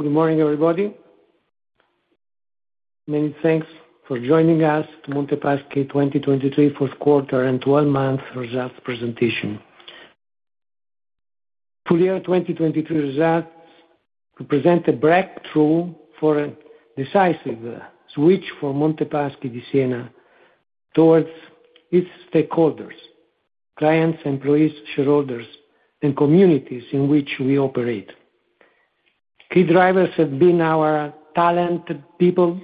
Good morning, everybody. Many thanks for joining us to Monte Paschi 2023 fourth quarter and 12-month results presentation. Full year 2023 results represent a breakthrough for a decisive switch for Monte Paschi di Siena towards its stakeholders, clients, employees, shareholders, and communities in which we operate. Key drivers have been our talented people,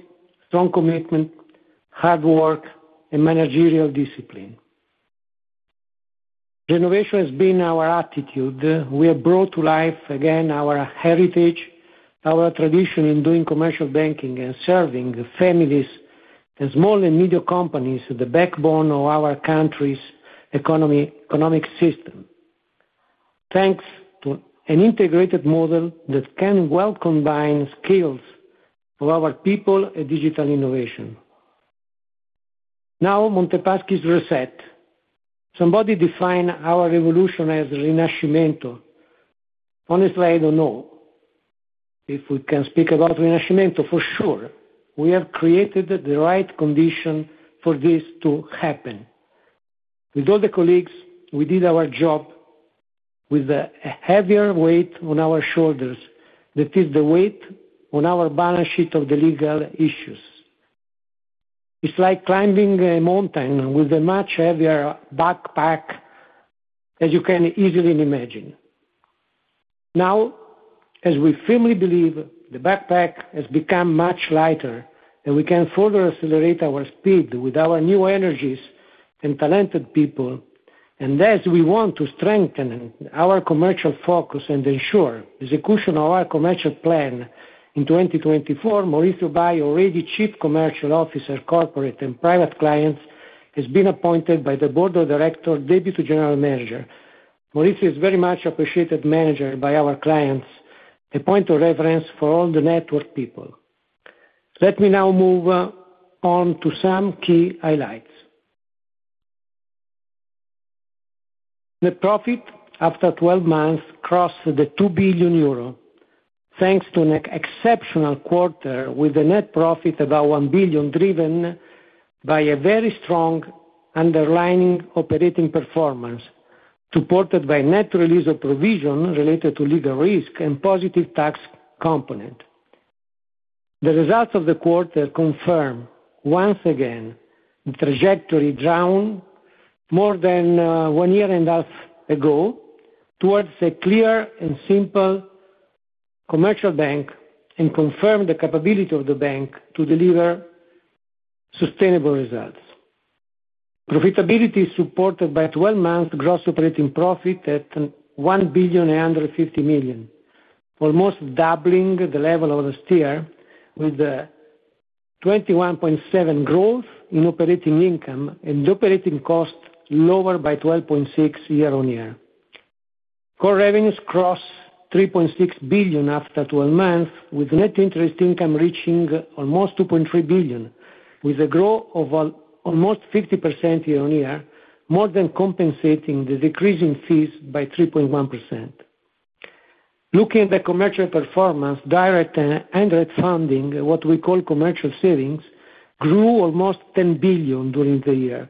strong commitment, hard work, and managerial discipline. Innovation has been our attitude. We have brought to life, again, our heritage, our tradition in doing commercial banking and serving the families and small and medium companies, the backbone of our country's economy, economic system. Thanks to an integrated model that can well combine skills of our people and digital innovation. Now, Monte Paschi is reset. Somebody defined our revolution as Rinascimento. Honestly, I don't know if we can speak about Rinascimento. For sure, we have created the right condition for this to happen. With all the colleagues, we did our job with a heavier weight on our shoulders. That is the weight on our balance sheet of the legal issues. It's like climbing a mountain with a much heavier backpack, as you can easily imagine. Now, as we firmly believe, the backpack has become much lighter, and we can further accelerate our speed with our new energies and talented people, and as we want to strengthen our commercial focus and ensure execution of our commercial plan in 2024, Maurizio Bai, already Chief Commercial Officer, Corporate and Private Clients, has been appointed by the Board of Directors, Deputy General Manager. Maurizio is very much appreciated manager by our clients, a point of reference for all the network people. Let me now move on to some key highlights. Net profit after 12 months crossed the 2 billion euro, thanks to an exceptional quarter with a net profit about 1 billion, driven by a very strong underlying operating performance, supported by net release of provision related to legal risk and positive tax component. The results of the quarter confirm, once again, the trajectory drawn more than one year and a half ago towards a clear and simple commercial bank, and confirm the capability of the bank to deliver sustainable results. Profitability is supported by a 12-month gross operating profit at 1 billion and under 50 million, almost doubling the level of last year, with a 21.7% growth in operating income and operating costs lower by 12.6% year-on-year. Core revenues cross 3.6 billion after 12 months, with net interest income reaching almost 2.3 billion, with a growth of almost 50% year-on-year, more than compensating the decrease in fees by 3.1%. Looking at the commercial performance, direct and indirect funding, what we call commercial savings, grew almost 10 billion during the year,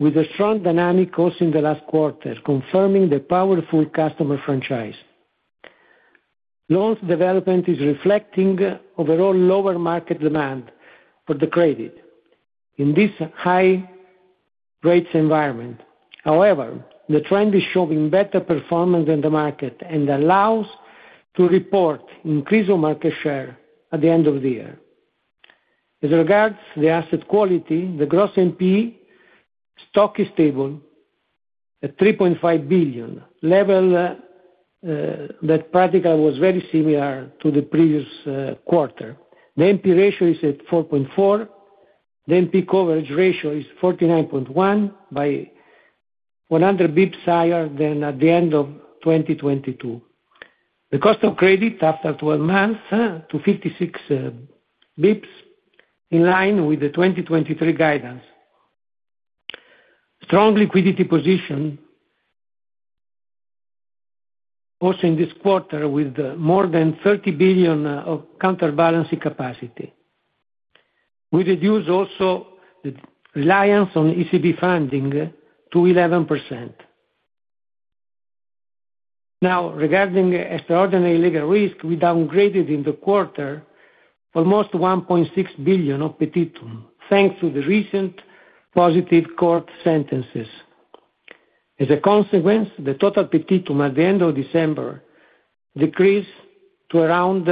with a strong dynamic cost in the last quarter, confirming the powerful customer franchise. Loans development is reflecting overall lower market demand for the credit in this high rates environment. However, the trend is showing better performance than the market and allows to report increase of market share at the end of the year. With regards to the asset quality, the gross NPE stock is stable at 3.5 billion level that practically was very similar to the previous quarter. The NPE ratio is at 4.4. The NPE coverage ratio is 49.1 by 100 basis points higher than at the end of 2022. The cost of credit after 12 months to 56 basis points, in line with the 2023 guidance. Strong liquidity position, also in this quarter, with more than 30 billion of counterbalancing capacity. We reduce also the reliance on ECB funding to 11%. Now, regarding extraordinary legal risk, we downgraded in the quarter almost 1.6 billion of petitum, thanks to the recent positive court sentences. As a consequence, the total petitum at the end of December decreased to around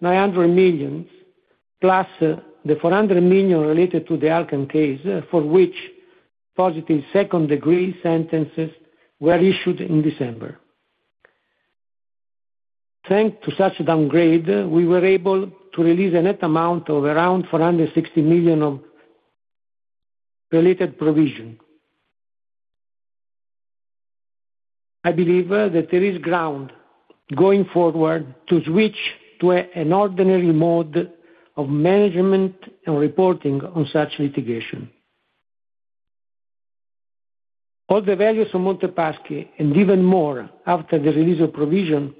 900 million, plus the 400 million related to the Alken case, for which positive second-degree sentences were issued in December. Thanks to such downgrade, we were able to release a net amount of around 460 million of related provision. I believe that there is ground going forward to switch to an ordinary mode of management and reporting on such litigation. All the values of Monte Paschi, and even more after the release of provision,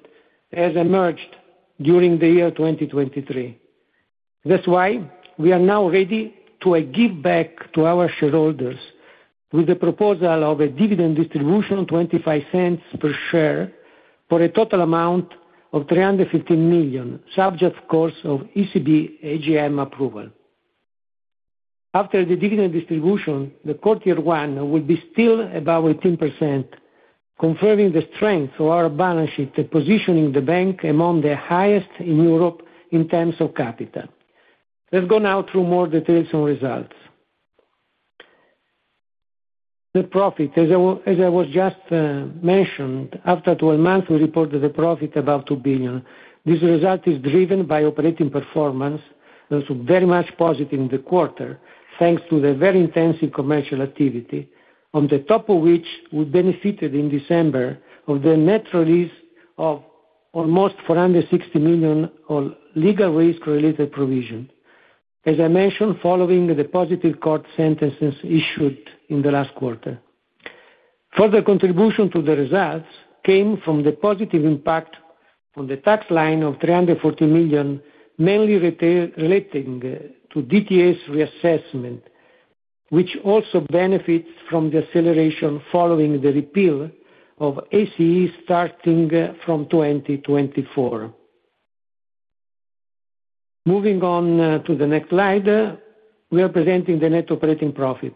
has emerged during the year 2023. That's why we are now ready to give back to our shareholders with the proposal of a dividend distribution of 0.25 per share, for a total amount of 315 million, subject, of course, to ECB AGM approval. After the dividend distribution, the core Tier I will be still about 18%, confirming the strength of our balance sheet and positioning the bank among the highest in Europe in terms of capital. Let's go now through more details and results. The profit, as I was just mentioned, after 12 months, we reported a profit above 2 billion. This result is driven by operating performance, that was very much positive in the quarter, thanks to the very intensive commercial activity, on the top of which we benefited in December of the net release of almost 460 million on legal risk-related provision. As I mentioned, following the positive court sentences issued in the last quarter. Further contribution to the results came from the positive impact on the tax line of 340 million, mainly retail relating to DTAs reassessment, which also benefits from the acceleration following the repeal of ACE, starting from 2024. Moving on to the next slide, we are presenting the net operating profit.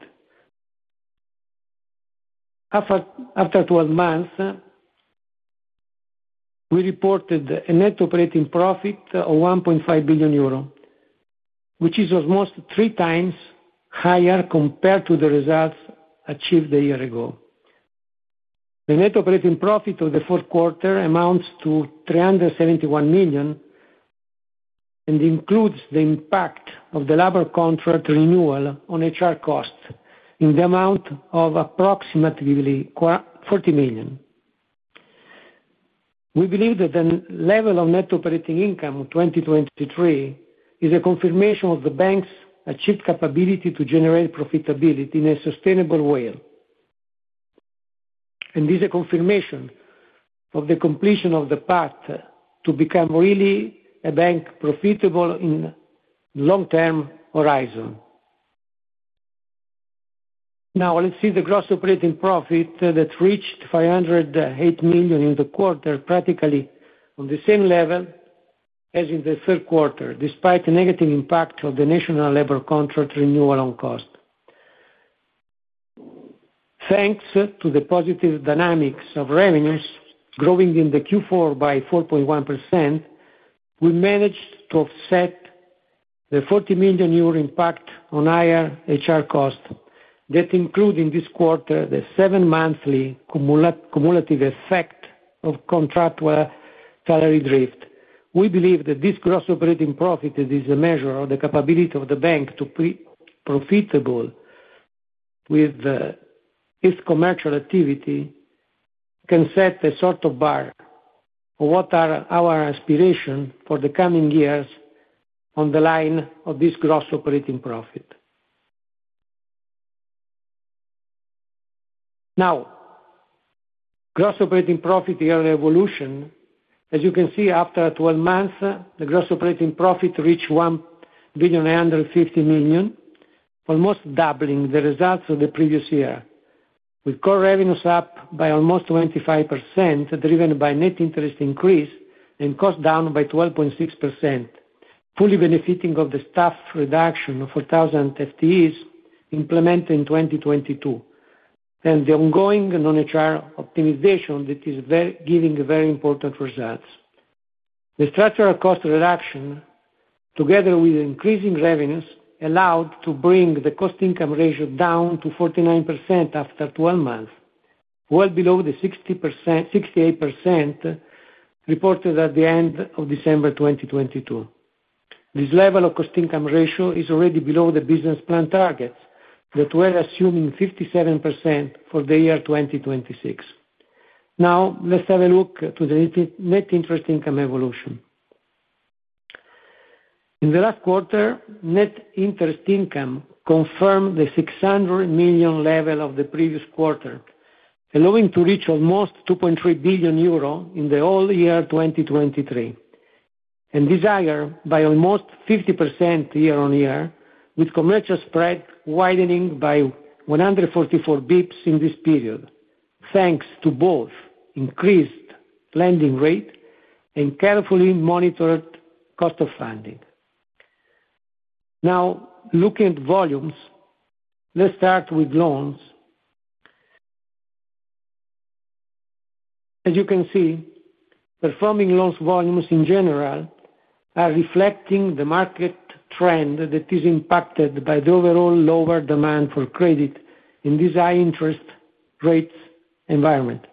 After, after twelve months, we reported a net operating profit of 1.5 billion euro, which is almost three times higher compared to the results achieved a year ago. The net operating profit of the fourth quarter amounts to 371 million, and includes the impact of the labor contract renewal on HR costs in the amount of approximately forty million. We believe that the level of net operating income of 2023 is a confirmation of the bank's achieved capability to generate profitability in a sustainable way. Is a confirmation of the completion of the path to become really a bank profitable in long-term horizon. Now, let's see the gross operating profit that reached 508 million in the quarter, practically on the same level as in the third quarter, despite the negative impact of the national labor contract renewal on cost. Thanks to the positive dynamics of revenues growing in the Q4 by 4.1%, we managed to offset the 40 million euro impact on higher HR costs, that include in this quarter, the seven monthly cumulative effect of contract, salary drift. We believe that this gross operating profit is a measure of the capability of the bank to be profitable with, its commercial activity, can set a sort of bar for what are our aspiration for the coming years on the line of this gross operating profit. Now, gross operating profit yearly evolution. As you can see, after twelve months, the gross operating profit reached 1.85 billion, almost doubling the results of the previous year, with core revenues up by almost 25%, driven by net interest increase and cost down by 12.6%, fully benefiting of the staff reduction of 1,000 FTEs implemented in 2022, and theongoing non-HR optimization that is very, giving very important results. The structural cost reduction, together with increasing revenues, allowed to bring the cost income ratio down to 49% after twelve months, well below the 60%-68% reported at the end of December 2022. This level of cost income ratio is already below the business plan targets, that we're assuming 57% for the year 2026. Now, let's have a look to the net interest income evolution. In the last quarter, net interest income confirmed the 600 million level of the previous quarter, allowing to reach almost 2.3 billion euro in the whole year 2023. This year, by almost 50% year-on-year, with commercial spread widening by 144 bps in this period, thanks to both increased lending rate and carefully monitored cost of funding. Now, looking at volumes, let's start with loans. As you can see, performing loans volumes in general are reflecting the market trend that is impacted by the overall lower demand for credit in this high interest rates environment.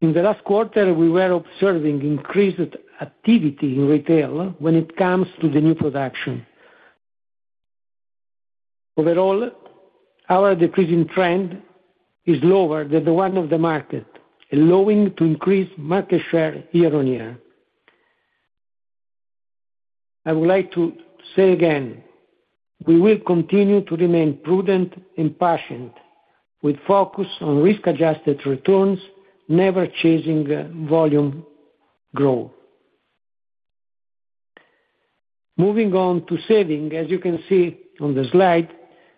In the last quarter, we were observing increased activity in retail when it comes to the new production. Overall, our decreasing trend is lower than the one of the market, allowing to increase market share year-on-year.... I would like to say again, we will continue to remain prudent and patient, with focus on risk-adjusted returns, never chasing volume growth. Moving on to savings, as you can see on the slide,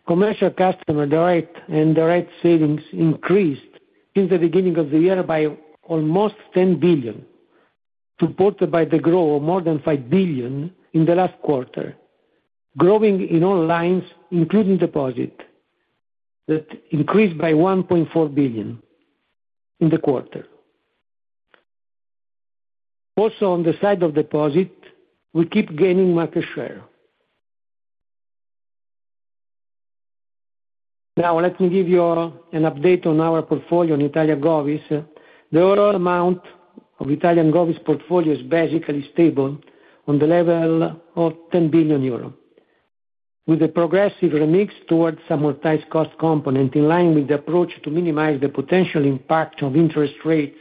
commercial customer direct and direct savings increased since the beginning of the year by almost 10 billion, supported by the growth of more than 5 billion in the last quarter, growing in all lines, including deposit, that increased by 1.4 billion in the quarter. Also, on the side of deposit, we keep gaining market share. Now, let me give you an update on our portfolio in Italian Govies. The overall amount of Italian Govies portfolio is basically stable on the level of 10 billion euro, with a progressive remix towards some more tight cost component, in line with the approach to minimize the potential impact of interest rates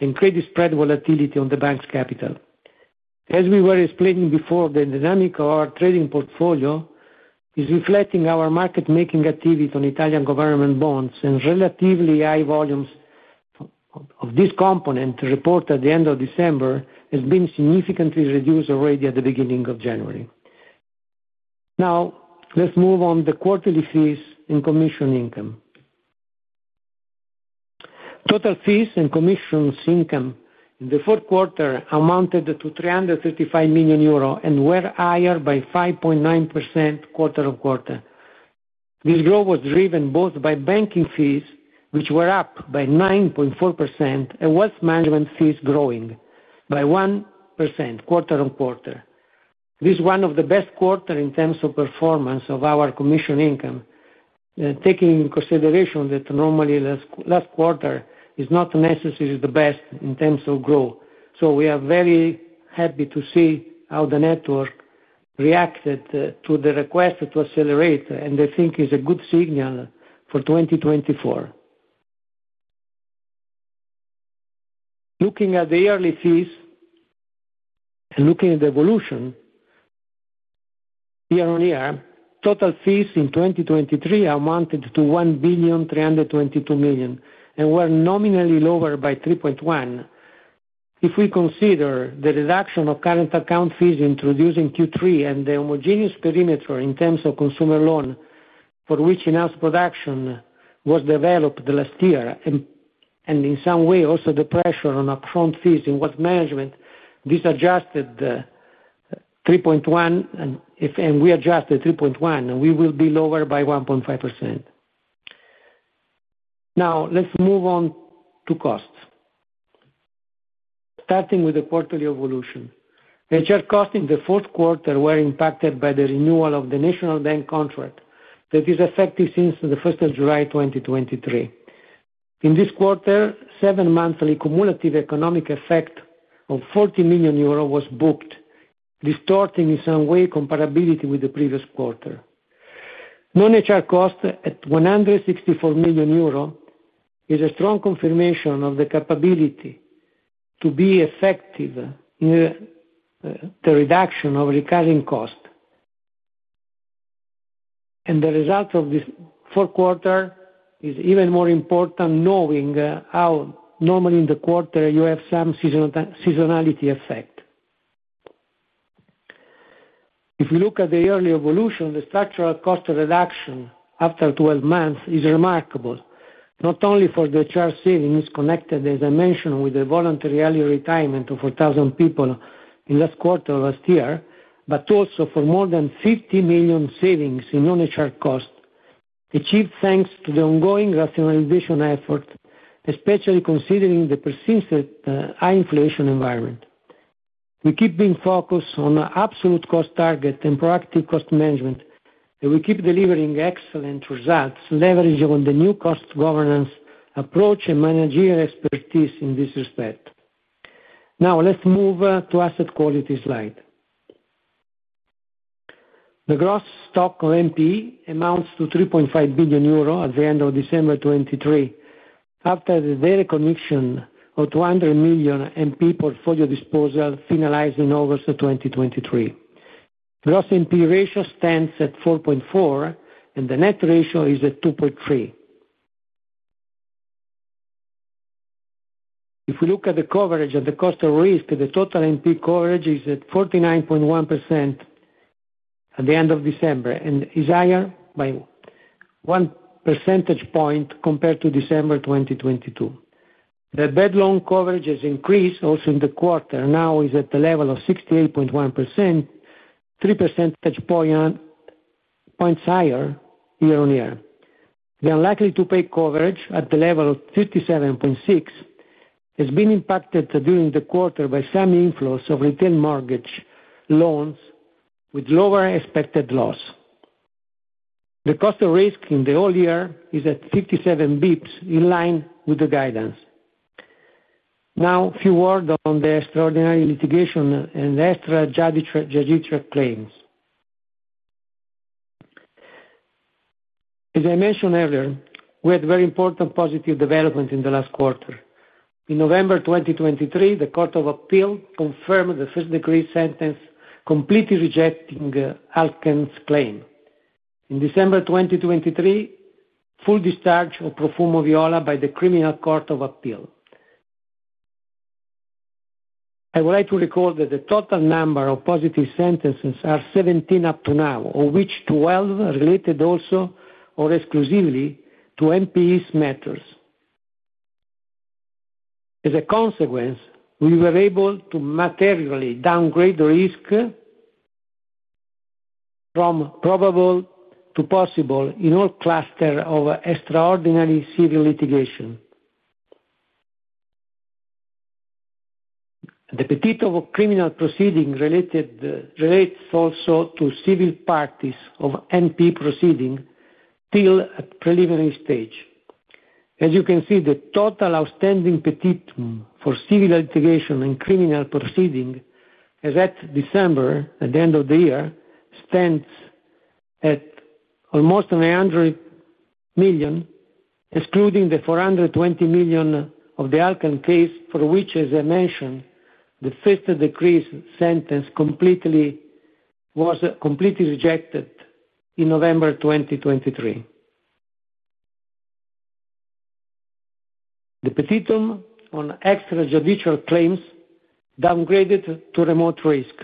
and credit spread volatility on the bank's capital. As we were explaining before, the dynamic of our trading portfolio is reflecting our market making activity on Italian government bonds, and relatively high volumes of this component reported at the end of December has been significantly reduced already at the beginning of January. Now, let's move on the quarterly fees and commission income. Total fees and commissions income in the fourth quarter amounted to 335 million euro, and were higher by 5.9% quarter-on-quarter. This growth was driven both by banking fees, which were up by 9.4%, and wealth management fees growing by 1% quarter-on-quarter. This is one of the best quarter in terms of performance of our commission income, taking in consideration that normally last quarter is not necessarily the best in terms of growth. We are very happy to see how the network reacted to the request to accelerate, and I think it's a good signal for 2024. Looking at the yearly fees, and looking at the evolution year-on-year, total fees in 2023 amounted to 1,322 million, and were nominally lower by 3.1%. If we consider the reduction of current account fees introduced in Q3 and the homogeneous perimeter in terms of consumer loan, for which enhanced production was developed the last year, and in some way, also the pressure on upfront fees and wealth management, this adjusted 3.1, and if we adjusted 3.1, we will be lower by 1.5%. Now, let's move on to costs. Starting with the quarterly evolution. HR costs in the fourth quarter were impacted by the renewal of the national bank contract that is effective since the first of July, 2023. In this quarter, 7-monthly cumulative economic effect of 40 million euros was booked, distorting, in some way, comparability with the previous quarter. Non-HR cost, at 164 million euro, is a strong confirmation of the capability to be effective in the reduction of recurring costs. The result of this fourth quarter is even more important, knowing how normally in the quarter you have some seasonality effect. If you look at the early evolution, the structural cost reduction after 12 months is remarkable, not only for the HR savings connected, as I mentioned, with the voluntary early retirement of 1,000 people in the last quarter of last year, but also for more than 50 million savings in non-HR costs, achieved thanks to the ongoing rationalization effort, especially considering the persistent high inflation environment. We keep being focused on absolute cost target and proactive cost management, and we keep delivering excellent results, leveraging on the new cost governance approach and managerial expertise in this respect. Now, let's move to asset quality slide. The gross stock of NPE amounts to 3.5 billion euro at the end of December 2023, after the reduction of 200 million NPE portfolio disposal finalized in August 2023. Gross NPE ratio stands at 4.4, and the net ratio is at 2.3. If we look at the coverage of the cost of risk, the total NPE coverage is at 49.1% at the end of December, and is higher by 1 percentage point compared to December 2022. The bad loan coverage has increased also in the quarter, now is at the level of 68.1%, 3 percentage points higher year-on-year. The unlikely-to-pay coverage, at the level of 57.6, has been impacted during the quarter by some inflows of retail mortgage loans with lower expected loss. The cost of risk in the whole year is at 57 basis points, in line with the guidance. Now, a few words on the extraordinary litigation and the extrajudicial claims. As I mentioned earlier, we had very important positive development in the last quarter. In November 2023, the Court of Appeal confirmed the first degree sentence, completely rejecting Alexandria's claim. In December 2023, full discharge of Profumo and Viola by the Criminal Court of Appeal. I would like to recall that the total number of positive sentences are 17 up to now, of which 12 are related also or exclusively to NPEs matters. As a consequence, we were able to materially downgrade the risk from probable to possible in all cluster of extraordinary civil litigation. The petitum of criminal proceeding related, relates also to civil parties of NPE proceeding, still at preliminary stage. As you can see, the total outstanding petitum for civil litigation and criminal proceeding, as at December, at the end of the year, stands at almost 100 million, excluding the 420 million of the Alken case, for which, as I mentioned, the uncertain was completely rejected in November 2023. The petitum on extrajudicial claims downgraded to remote risk.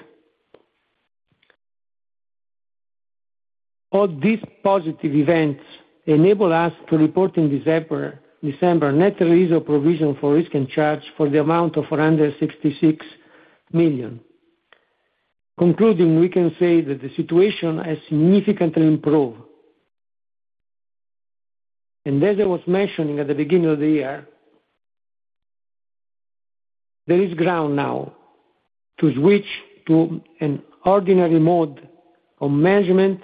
All these positive events enable us to report in December net release of provision for risk and charge for the amount of 466 million. Concluding, we can say that the situation has significantly improved. As I was mentioning at the beginning of the year, there is ground now to switch to an ordinary mode of management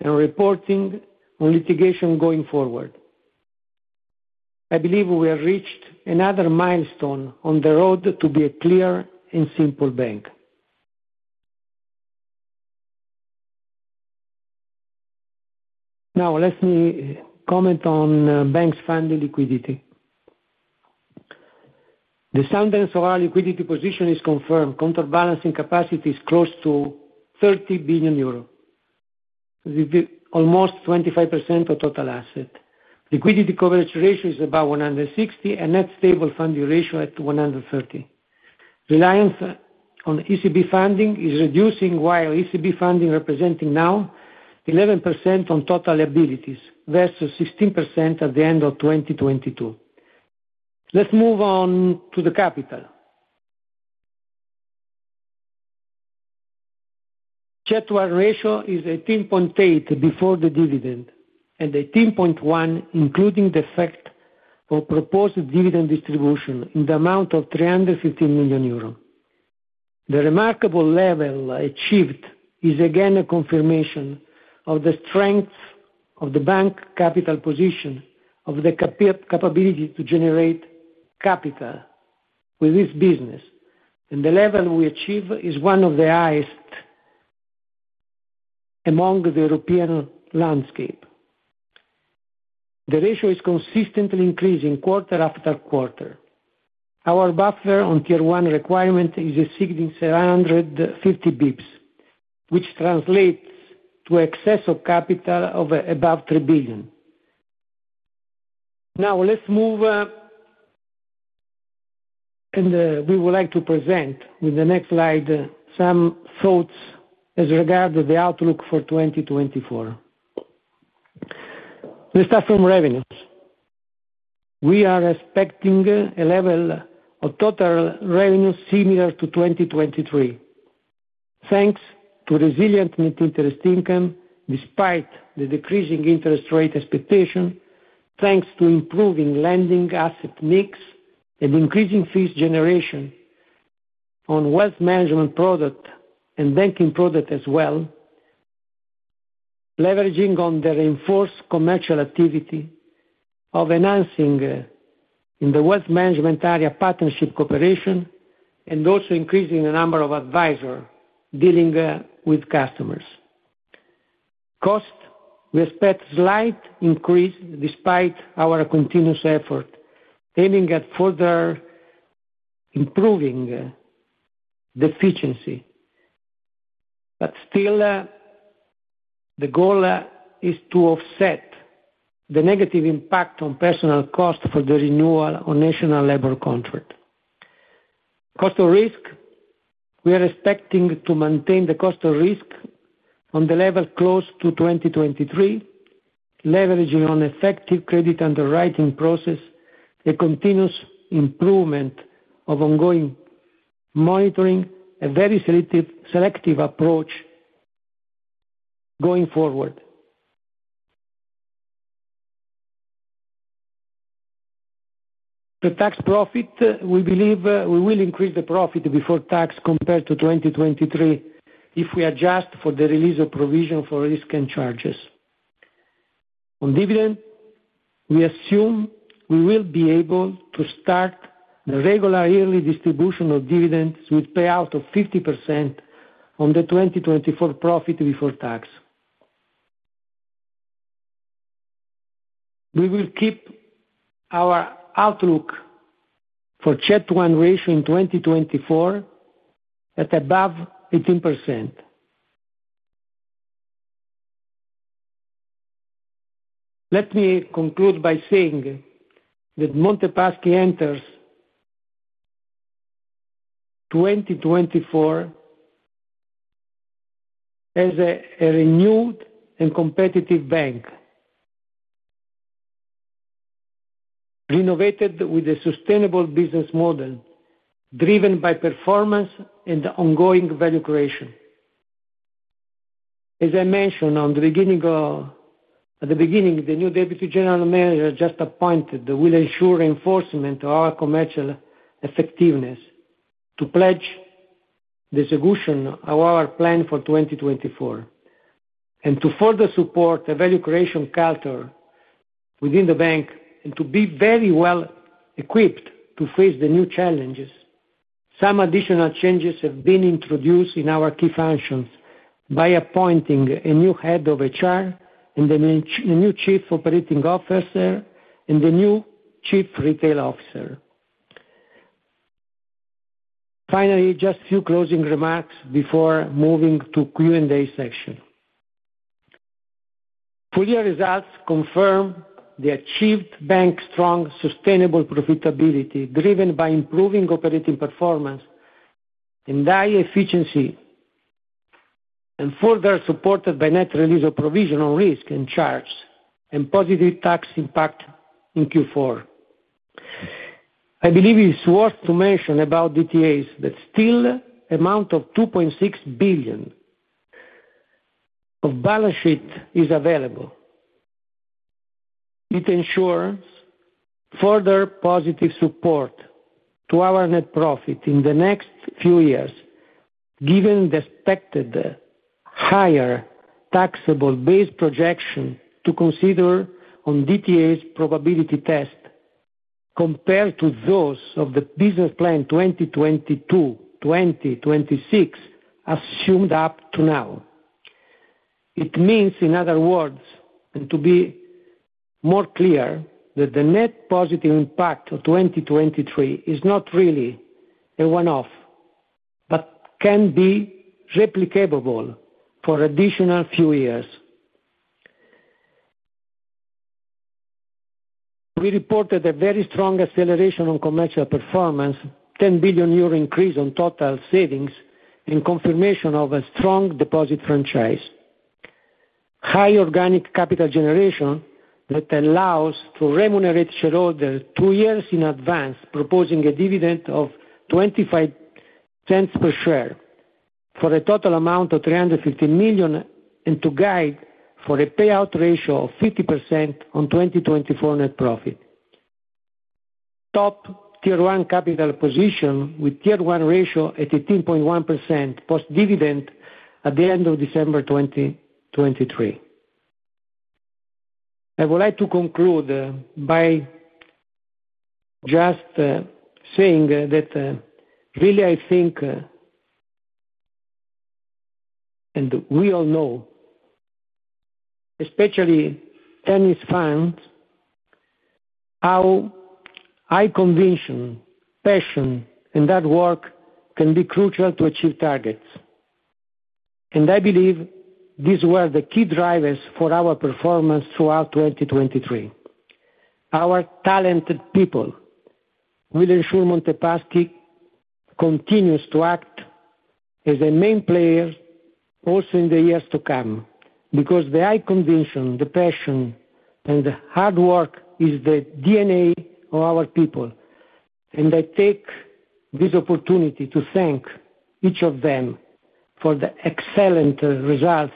and reporting on litigation going forward. I believe we have reached another milestone on the road to be a clear and simple bank. Now, let me comment on bank's funding liquidity. The standards of our liquidity position is confirmed. Counterbalancing capacity is close to 30 billion euros, with almost 25% of total asset. Liquidity coverage ratio is about 160, and net stable funding ratio at 130. Reliance on ECB funding is reducing, while ECB funding representing now 11% on total liabilities, versus 16% at the end of 2022. Let's move on to the capital. CET1 ratio is 18.8 before the dividend, and 18.1, including the effect of proposed dividend distribution in the amount of 350 million euro. The remarkable level achieved is again a confirmation of the strength of the bank capital position, of the capability to generate capital with this business, and the level we achieve is one of the highest among the European landscape. The ratio is consistently increasing quarter after quarter. Our buffer on Tier 1 requirement is a significant 750 basis points, which translates to excess of capital of about 3 billion. Now, let's move, and we would like to present with the next slide some thoughts as regard to the outlook for 2024. Let's start from revenues. We are expecting a level of total revenue similar to 2023, thanks to resilient net interest income, despite the decreasing interest rate expectation, thanks to improving lending asset mix and increasing fees generation on wealth management product and banking product as well, leveraging on the reinforced commercial activity of enhancing in the wealth management area, partnership cooperation, and also increasing the number of advisor dealing with customers. Cost, we expect slight increase despite our continuous effort, aiming at further improving the efficiency. Still, the goal is to offset the negative impact on personal cost for the renewal on national labor contract. Cost of risk, we are expecting to maintain the cost of risk on the level close to 2023, leveraging on effective credit underwriting process, a continuous improvement of ongoing monitoring, a very selective approach going forward. The tax profit, we believe, we will increase the profit before tax compared to 2023, if we adjust for the release of provision for risk and charges. On dividends, we assume we will be able to start the regular yearly distribution of dividends with payout of 50% on the 2024 profit before tax. We will keep our outlook for CET1 ratio in 2024 at above 18%. Let me conclude by saying that Monte Paschi enters 2024 as a renewed and competitive bank, renovated with a sustainable business model, driven by performance and ongoing value creation. As I mentioned at the beginning, the new Deputy General Manager just appointed will ensure enforcement to our commercial effectiveness, to pledge the execution of our plan for 2024, and to further support the value creation culture within the bank, and to be very well-equipped to face the new challenges. Some additional changes have been introduced in our key functions by appointing a new Head of HR and a new Chief Operating Officer and a new Chief Retail Officer. Finally, just a few closing remarks before moving to Q&A session. Full year results confirm the achieved bank strong, sustainable profitability, driven by improving operating performance and high efficiency, and further supported by net release of provisional risk and charge, and positive tax impact in Q4. I believe it's worth to mention about DTAs, that still amount of 2.6 billion off balance sheet is available. It ensures further positive support to our net profit in the next few years, given the expected higher taxable base projection to consider on DTA probability test, compared to those of the business plan 2022, 2026, assumed up to now. It means, in other words, and to be more clear, that the net positive impact of 2023 is not really a one-off, but can be replicable for additional few years. We reported a very strong acceleration on commercial performance, 10 billion euro increase on total savings, in confirmation of a strong deposit franchise. High organic capital generation that allows to remunerate shareholders two years in advance, proposing a dividend of 0.25 per share for a total amount of 350 million, and to guide for a payout ratio of 50% on 2024 net profit. Top tier-one capital position with tier-one ratio at 18.1% post-dividend at the end of December 2023. I would like to conclude by just, saying that, really I think, and we all know, especially tennis fans, how high conviction, passion, and hard work can be crucial to achieve targets. I believe these were the key drivers for our performance throughout 2023. Our talented people will ensure Monte Paschi continues to act as a main player, also in the years to come, because the high conviction, the passion, and the hard work is the DNA of our people, and I take this opportunity to thank each of them for the excellent results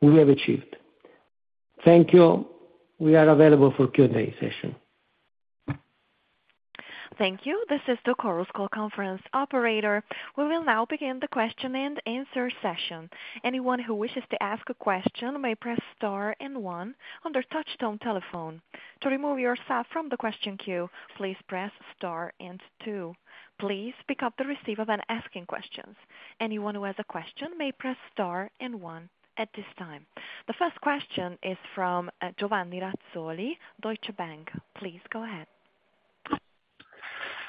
we have achieved. Thank you. We are available for Q&A session. Thank you. This is the Chorus Call conference operator. We will now begin the question-and-answer session. Anyone who wishes to ask a question may press star and one on their touchtone telephone. To remove yourself from the question queue, please press star and two. Please pick up the receiver when asking questions. Anyone who has a question may press star and one at this time. The first question is from Giovanni Razzoli, Deutsche Bank. Please go ahead.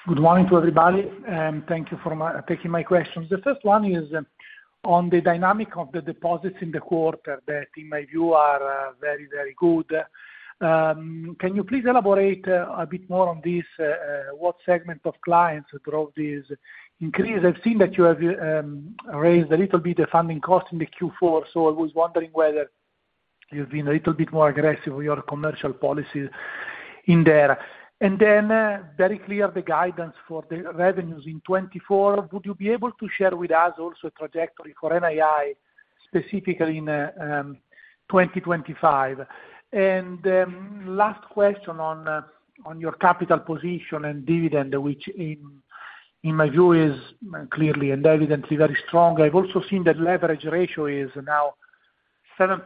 Good morning to everybody, and thank you for taking my questions. The first one is on the dynamic of the deposits in the quarter, that in my view, are very, very good. Can you please elaborate a bit more on this, what segment of clients drove this increase? I've seen that you have raised a little bit the funding cost in the Q4, so I was wondering whether you've been a little bit more aggressive with your commercial policies in there. Then, very clear the guidance for the revenues in 2024. Would you be able to share with us also trajectory for NII, specifically in 2025? Last question on your capital position and dividend, which in my view, is clearly and evidently very strong. I've also seen that leverage ratio is now 7%.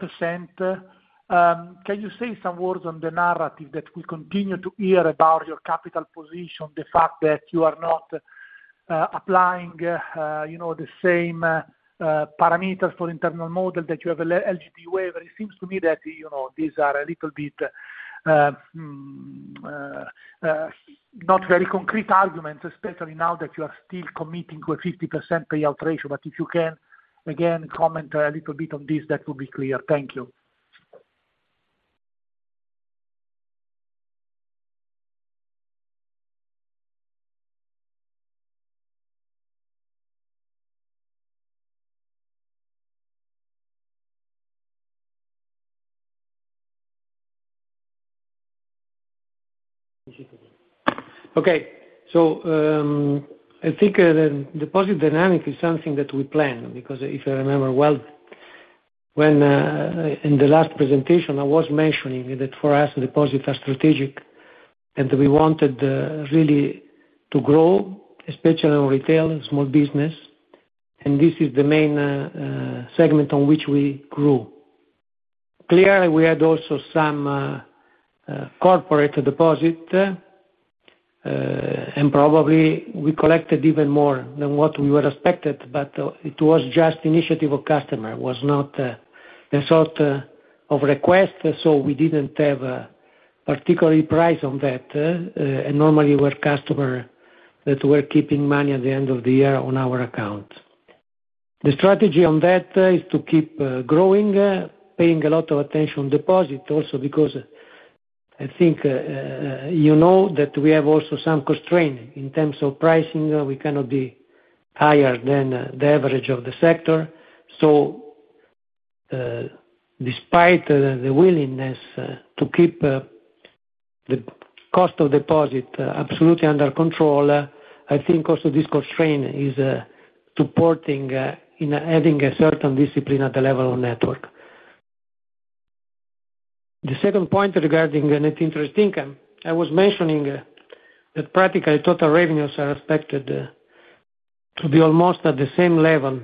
Can you say some words on the narrative that we continue to hear about your capital position, the fact that you are not, you know, applying the same parameters for internal model, that you have a LGD waiver? It seems to me that, you know, these are a little bit not very concrete arguments, especially now that you are still committing to a 50% payout ratio. If you can, again, comment a little bit on this, that will be clear. Thank you. Okay. I think, the deposit dynamic is something that we planned, because if I remember well, when, in the last presentation, I was mentioning that for us, the deposits are strategic and we wanted, really to grow, especially on retail and small business, and this is the main, segment on which we grew. Clearly, we had also some, corporate deposit, and probably we collected even more than what we were expected, but, it was just initiative of customer. It was not, the result, of request, so we didn't have a particularly price on that, and normally were customer that were keeping money at the end of the year on our account. The strategy on that is to keep growing, paying a lot of attention on deposit also because I think, you know, that we have also some constraint. In terms of pricing, we cannot be higher than the average of the sector. Despite the willingness to keep the cost of deposit absolutely under control, I think also this constraint is supporting in adding a certain discipline at the level of network. The second point regarding the net interest income, I was mentioning that practically total revenues are expected to be almost at the same level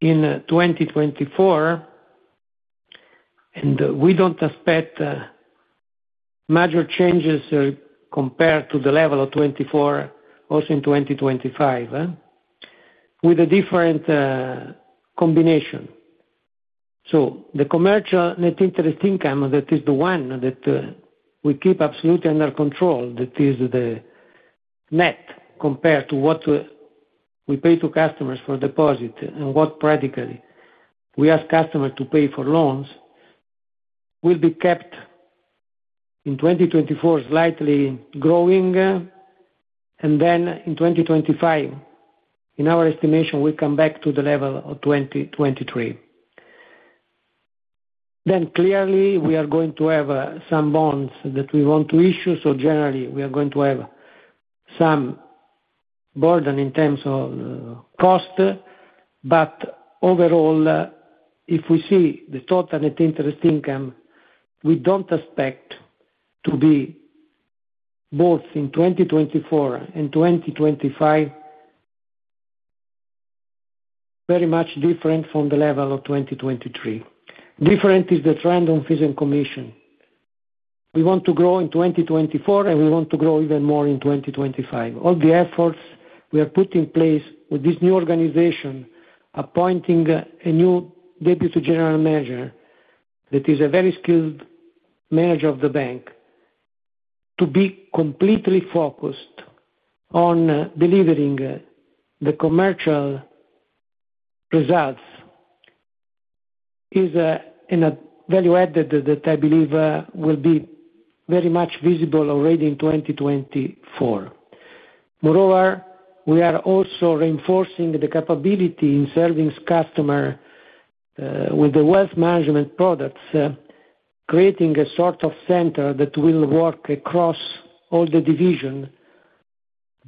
in 2024, and we don't expect major changes compared to the level of 2024, also in 2025, with a different combination. The commercial net interest income, that is the one that we keep absolutely under control, that is the net compared to what we pay to customers for deposit and what practically we ask customer to pay for loans, will be kept in 2024, slightly growing, and then in 2025, in our estimation, we come back to the level of 2023. Then clearly, we are going to have some bonds that we want to issue, so generally, we are going to have some burden in terms of cost, but overall, if we see the total net interest income, we don't expect to be, both in 2024 and 2025, very much different from the level of 2023. Different is the trend on fees and commission. We want to grow in 2024, and we want to grow even more in 2025. All the efforts we have put in place with this new organization, appointing a new Deputy General Manager, that is a very skilled manager of the bank, to be completely focused on delivering the commercial results, is in a value add that, that I believe will be very much visible already in 2024. Moreover, we are also reinforcing the capability in serving customer with the wealth management products, creating a sort of center that will work across all the division,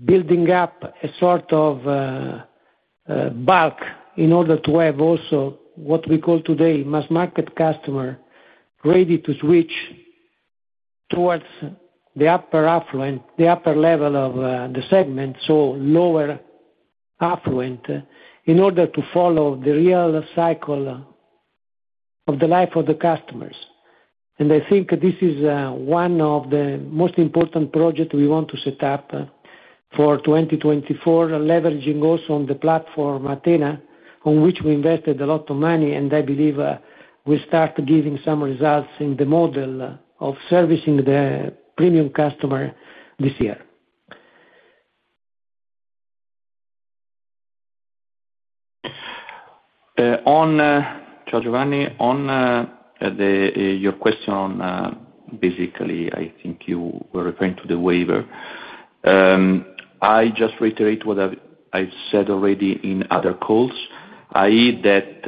building up a sort of bulk in order to have also what we call today mass market customer ready to switch towards the upper affluent, the upper level of the segment, so lower affluent, in order to follow the real cycle of the life of the customers. I think this is one of the most important project we want to set up for 2024, leveraging also on the platform Athena, on which we invested a lot of money, and I believe we start giving some results in the model of servicing the premium customer this year. On Giovanni, on your question, basically, I think you were referring to the waiver. I just reiterate what I've said already in other calls, i.e., that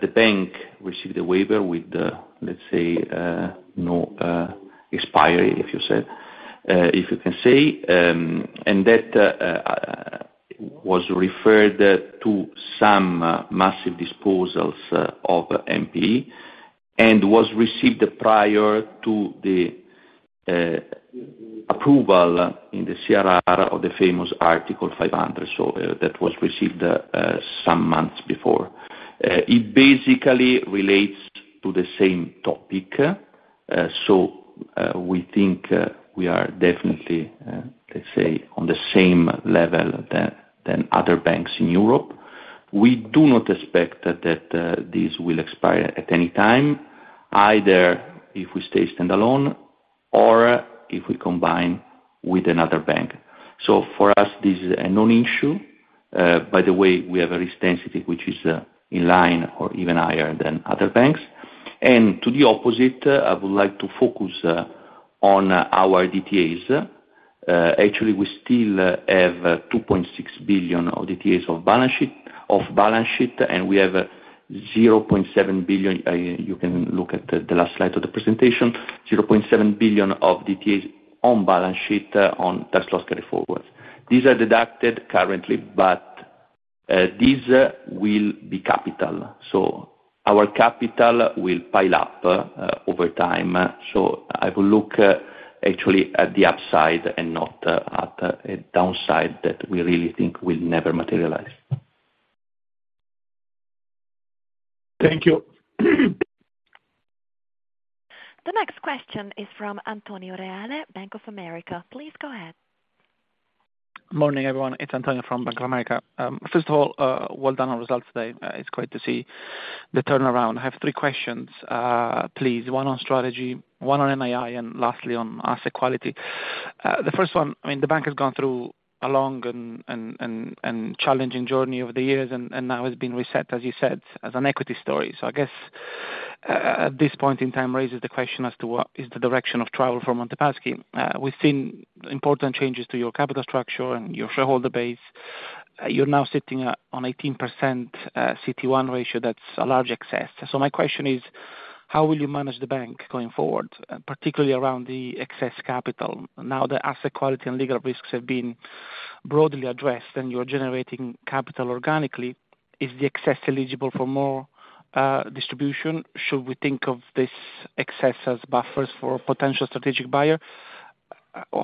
the bank received the waiver with the, let's say, no expiry, if you can say, and that...... was referred to some massive disposals of NPE, and was received prior to the approval in the CRR of the famous Article 500.That was received some months before. It basically relates to the same topic, so we think we are definitely, let's say, on the same level than other banks in Europe. We do not expect that this will expire at any time, either if we stay standalone or if we combine with another bank. For us, this is a non-issue. By the way, we have a risk sensitivity, which is in line or even higher than other banks. To the opposite, I would like to focus on our DTAs. Actually, we still have 2.6 billion of DTAs off balance sheet, off balance sheet, and we have 0.7 billion. You can look at the last slide of the presentation, 0.7 billion of DTAs on balance sheet, on tax loss carry forwards. These are deducted currently, but these will be capital. So our capital will pile up over time. I will look actually at the upside and not at a downside that we really think will never materialize. Thank you. The next question is from Antonio Reale, Bank of America. Please go ahead. Morning, everyone. It's Antonio from Bank of America. First of all, well done on results today. It's great to see the turnaround. I have three questions, please. One on strategy, one on NII, and lastly on asset quality. The first one, I mean, the bank has gone through a long and challenging journey over the years, and now it's been reset, as you said, as an equity story. I guess, at this point in time raises the question as to what is the direction of travel for Monte Paschi. We've seen important changes to your capital structure and your shareholder base. You're now sitting at, on 18%, CET1 ratio, that's a large excess. My question is: how will you manage the bank going forward, particularly around the excess capital? Now, the asset quality and legal risks have been broadly addressed, and you're generating capital organically. Is the excess eligible for more, distribution? Should we think of this excess as buffers for potential strategic buyer?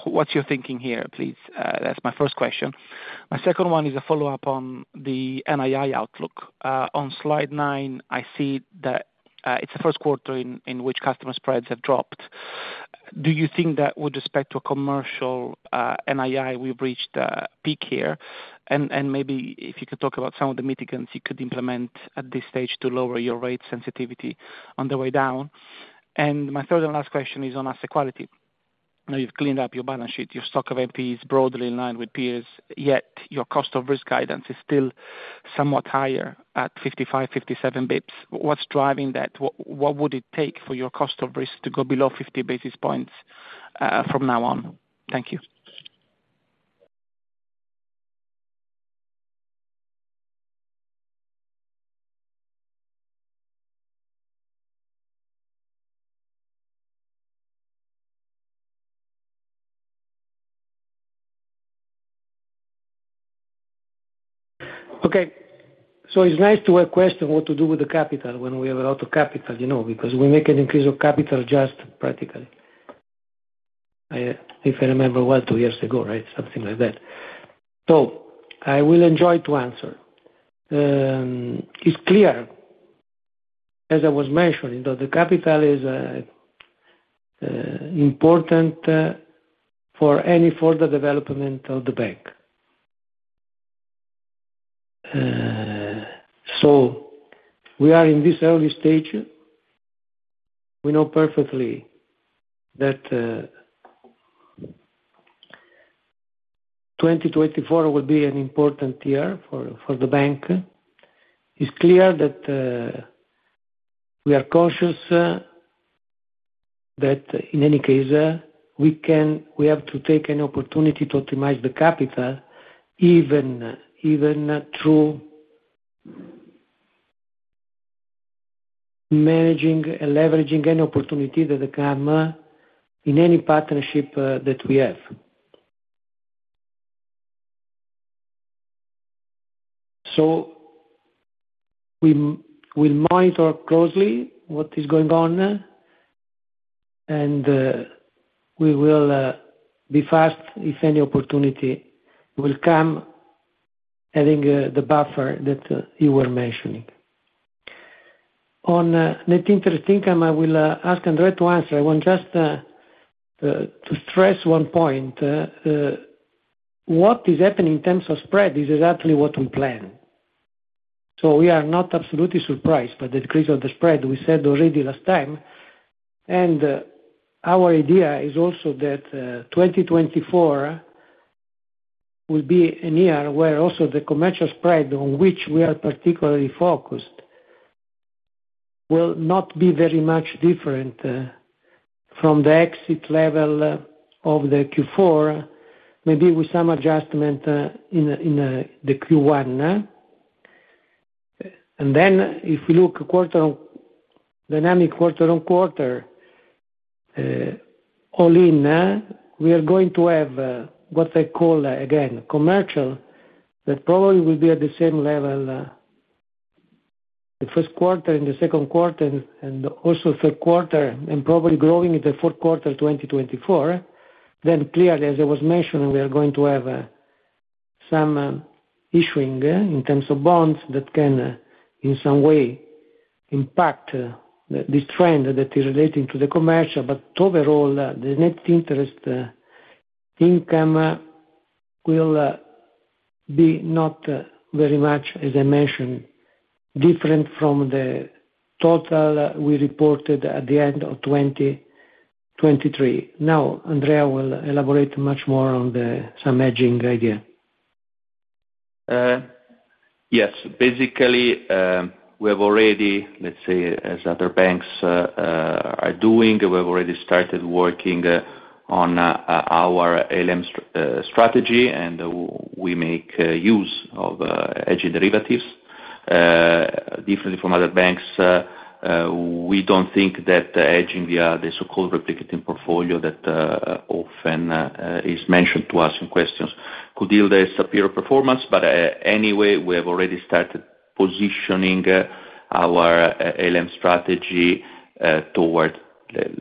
What'syour thinking here, please? That's my first question. My second one is a follow-up on the NII outlook. On slide nine, I see that, it's the first quarter in which customer spreads have dropped. Do you think that with respect to a commercial, NII, we've reached the peak here? Maybe if you could talk about some of the mitigants you could implement at this stage to lower your rate sensitivity on the way down. My third and last question is on asset quality. Now, you've cleaned up your balance sheet, your stock of NPE is broadly in line with peers, yet your cost of risk guidance is still somewhat higher at 55-57 basis points. What's driving that? What would it take for your cost of risk to go below 50 basis points from now on? Thank you. Okay. It's nice to have a question what to do with the capital when we have a lot of capital, you know, because we make an increase of capital just practically. If I remember well, 2 years ago, right? Something like that. I will enjoy to answer. It's clear, as I was mentioning, that the capital is important for any further development of the bank. We are in this early stage. We know perfectly that 2024 will be an important year for the bank. It's clear that we are cautious, that in any case we can, we have to take an opportunity to optimize the capital, even through managing and leveraging any opportunity that come in any partnership that we have. We monitor closely what is going on, and we will be fast if any opportunity will come, having the buffer that you were mentioning. On net interest income, I will ask Andrea to answer. I want just to stress one point. What is happening in terms of spread is exactly what we planned. We are not absolutely surprised by the decrease of the spread, we said already last time. Our idea is also that 2024 will be a year where also the commercial spread, on which we are particularly focused, will not be very much different from the exit level of the Q4, maybe with some adjustment in the Q1... Then if you look quarter on dynamic quarter on quarter, all in, we are going to have what I call again commercial that probably will be at the same level the first quarter and the second quarter, and also third quarter, and probably growing in the fourth quarter, 2024. Then clearly, as I was mentioning, we are going to have some issuing in terms of bonds that can in some way impact this trend that is relating to the commercial. Overall, the net interest income will be not very much, as I mentioned, different from the total we reported at the end of 2023. Now, Andrea will elaborate much more on the some hedging idea. Yes. Basically, we have already, let's say, as other banks are doing, we've already started working on our ALM strategy, and we make use of hedging derivatives. Differently from other banks, we don't think that the hedging via the so-called replicating portfolio that often is mentioned to us in questions, could yield a superior performance. Anyway, we have already started positioning our ALM strategy towards,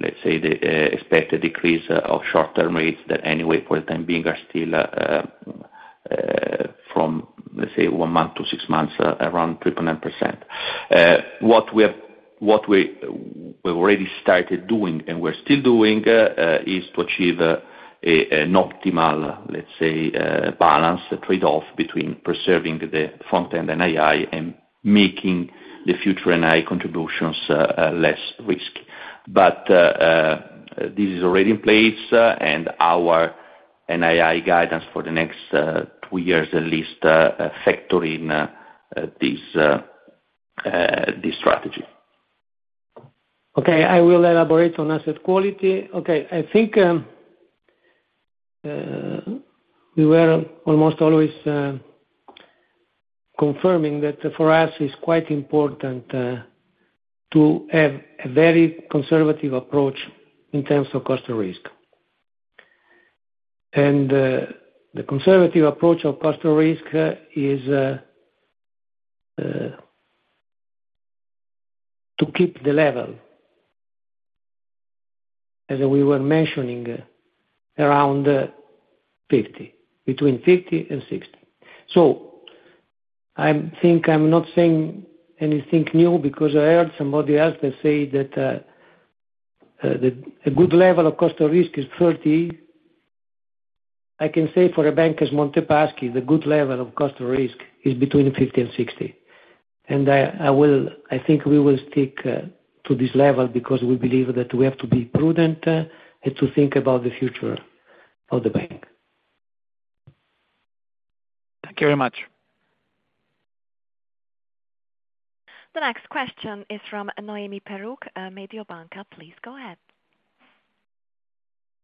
let's say, the expected decrease of short-term rates that anyway, for the time being, are still from, let's say one month to six months, around 3.9%. What we have, we've already started doing, and we're still doing, is to achieve an optimal, let's say, balance, a trade-off between preserving the front-end NII and making the future NII contributions less risky. This is already in place, and our NII guidance for the next two years at least factor in this strategy. Okay, I will elaborate on asset quality. Okay, I think we were almost always confirming that for us, it's quite important to have a very conservative approach in terms of Cost of Risk. The conservative approach of Cost of Risk is to keep the level, as we were mentioning, around 50, between 50 and 60. I think I'm not saying anything new, because I heard somebody else say that a good level of Cost of Risk is 30. I can say for a bank as Monte Paschi, the good level of Cost of Risk is between 50 and 60. I think we will stick to this level because we believe that we have to be prudent and to think about the future of the bank. Thank you very much. The next question is from Noemi Peruch, Mediobanca. Please go ahead.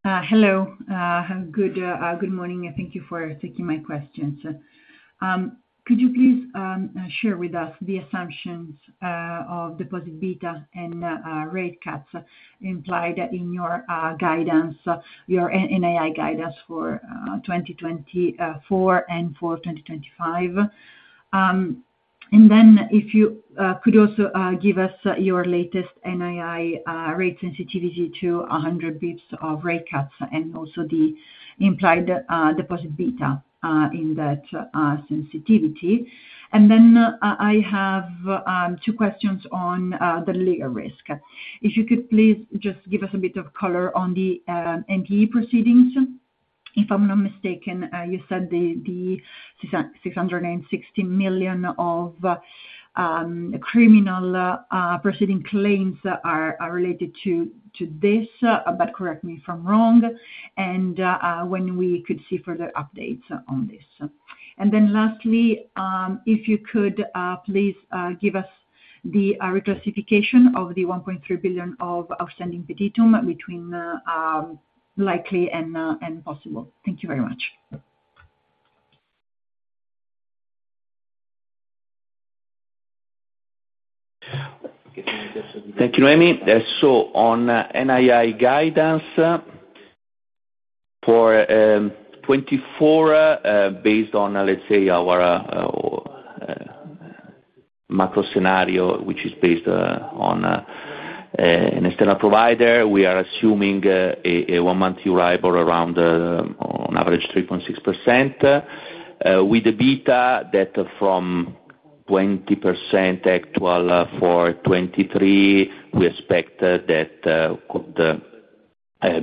Hello. Have a good, good morning, and thank you for taking my questions. Could you please share with us the assumptions of deposit beta and rate cuts implied in your guidance, your NII guidance for 2024 and for 2025?Then if you could also give us your latest NII rate sensitivity to 100 basis points of rate cuts and also the implied deposit beta in that sensitivity. Then I have two questions on the legal risk. If you could please just give us a bit of color on the NPE proceedings. If I'm not mistaken, you said the 660 million of criminal proceeding claims are related to this, but correct me if I'm wrong, and when we could see further updates on this. Then lastly, if you could please give us the reclassification of the 1.3 billion of outstanding petitum between likely and possible. Thank you very much. Thank you, Noemi. On NII guidance for 2024, based on, let's say, our macro scenario, which is based on an external provider, we are assuming a one-month arrival around on average 3.6%, with a beta that from 20% actual for 2023, we expect that could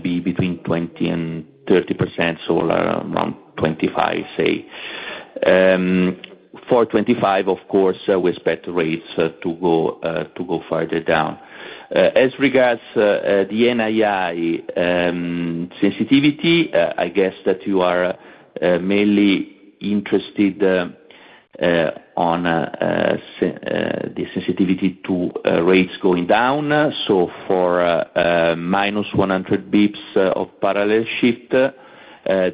be between 20%-30%, so around 25, say. For 2025, of course, we expect rates to go further down. As regards the NII sensitivity, I guess that you are mainly interested on the sensitivity to rates going down. For -100 basis points of parallel shift.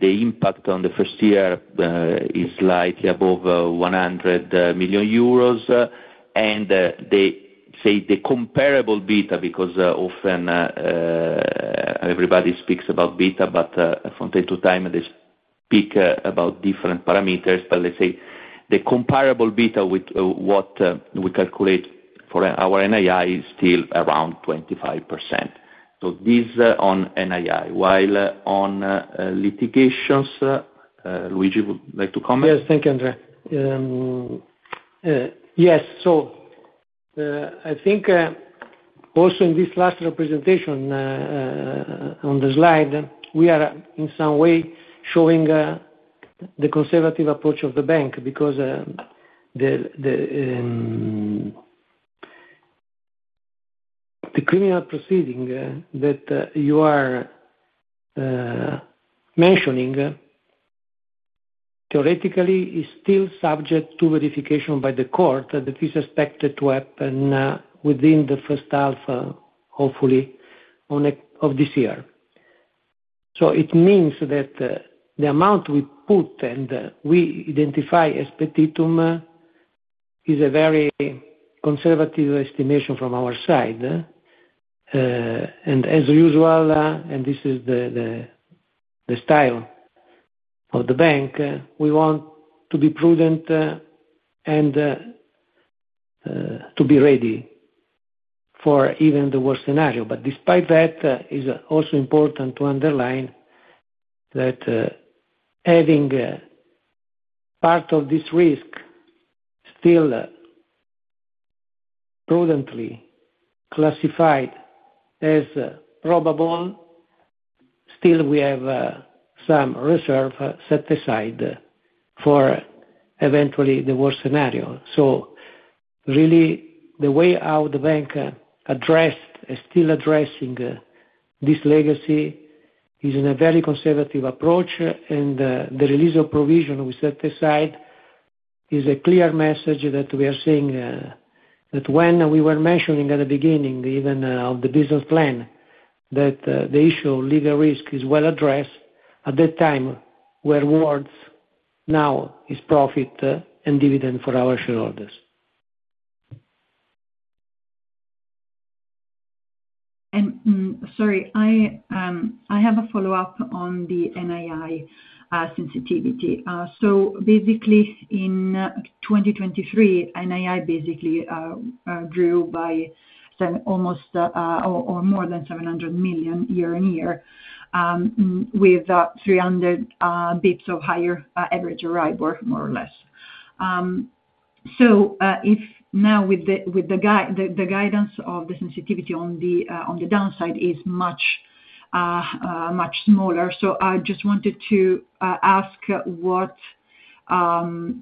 The impact on the first year is slightly above 100 million euros, and they say the comparable beta, because often everybody speaks about beta, but from time to time they speak about different parameters. But let's say, the comparable beta with what we calculate for our NII is still around 25%. This on NII, while on litigations, Luigi would like to comment? Yes, thank you, Andrea. Yes, so, I think, also in this last representation, on the slide, we are in some way showing the conservative approach of the bank, because the criminal proceeding that you are mentioning, theoretically, is still subject to verification by the court, that is expected to happen within the first half, hopefully, of this year. It means that the amount we put and we identify as Petitum is a very conservative estimation from our side. As usual, and this is the style of the bank, we want to be prudent and to be ready for even the worst scenario. Despite that, is also important to underline that, having part of this risk still prudently classified as probable, still we have some reserve set aside for eventually the worst scenario. So really, the way how the bank addressed, is still addressing, this legacy is in a very conservative approach, and the release of provision we set aside is a clear message that we are saying that when we were mentioning at the beginning, even of the business plan, that the issue of legal risk is well addressed at that time, where awards now is profit and dividend for our shareholders. Sorry, I have a follow-up on the NII sensitivity. Basically, in 2023, NII basically grew by almost or more than 700 million year-on-year, with 300 bps of higher average rate, or more or less. So, if now with the guidance of the sensitivity on the downside is much smaller. I just wanted to ask, what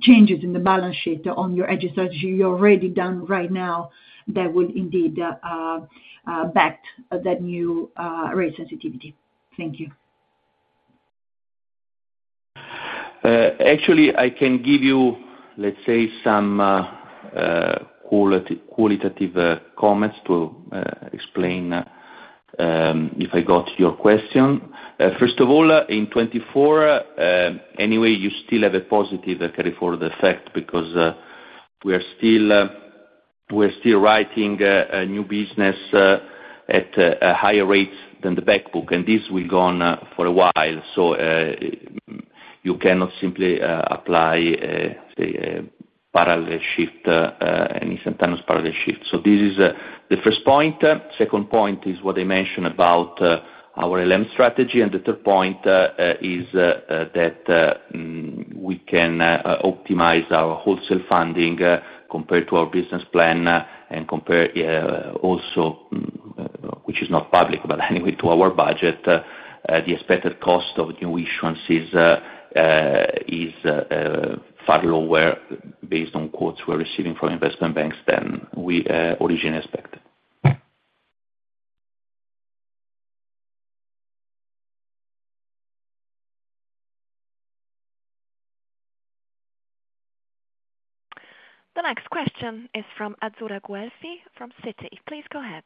changes in the balance sheet on your strategy you're already done right now that would indeed back that new rate sensitivity? Thank you. Actually, I can give you, let's say, some qualitative comments to explain if I got your question. First of all, in 2024, anyway, you still have a positive carry forward effect, because we are still, we're still writing a new business at a higher rate than the back book, and this will go on for a while. You cannot simply apply, say, parallel shift any instantaneous parallel shift. This is the first point. Second point is what I mentioned about our ALM strategy, and the third point is that we can optimize our wholesale funding compared to our business plan, and compare also, which is not public, but anyway, to our budget, the expected cost of new issuances is far lower based on quotes we're receiving from investment banks than we originally expected. The next question is from Azzurra Guelfi, from Citi. Please go ahead.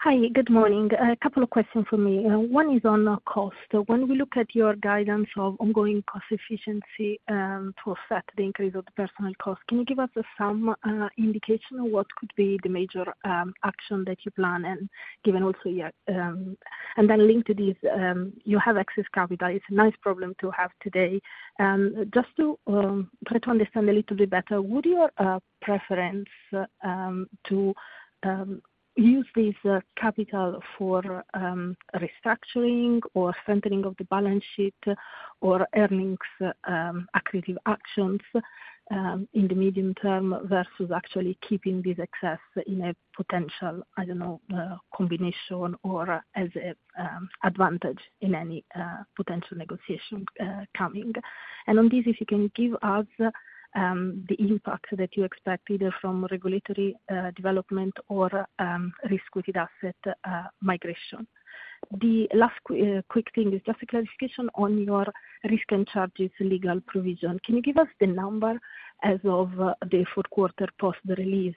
Hi, good morning. A couple of questions for me. One is on cost. When we look at your guidance of ongoing cost efficiency to offset the increase of the personal cost, can you give us some indication of what could be the major action that you plan, and given also your... Then linked to this, you have excess capital. It's a nice problem to have today. Just to try to understand a little bit better, would your preference to use this capital for restructuring or strengthening of the balance sheet or earnings accretive actions in the medium term, versus actually keeping this excess in a potential, I don't know, combination or as a advantage in any potential negotiation coming? On this, if you can give us the impact that you expect, either from regulatory development or risk-weighted asset migration. The last quick thing is just a clarification on your risk and charges legal provision. Can you give us the number as of the fourth quarter post the release?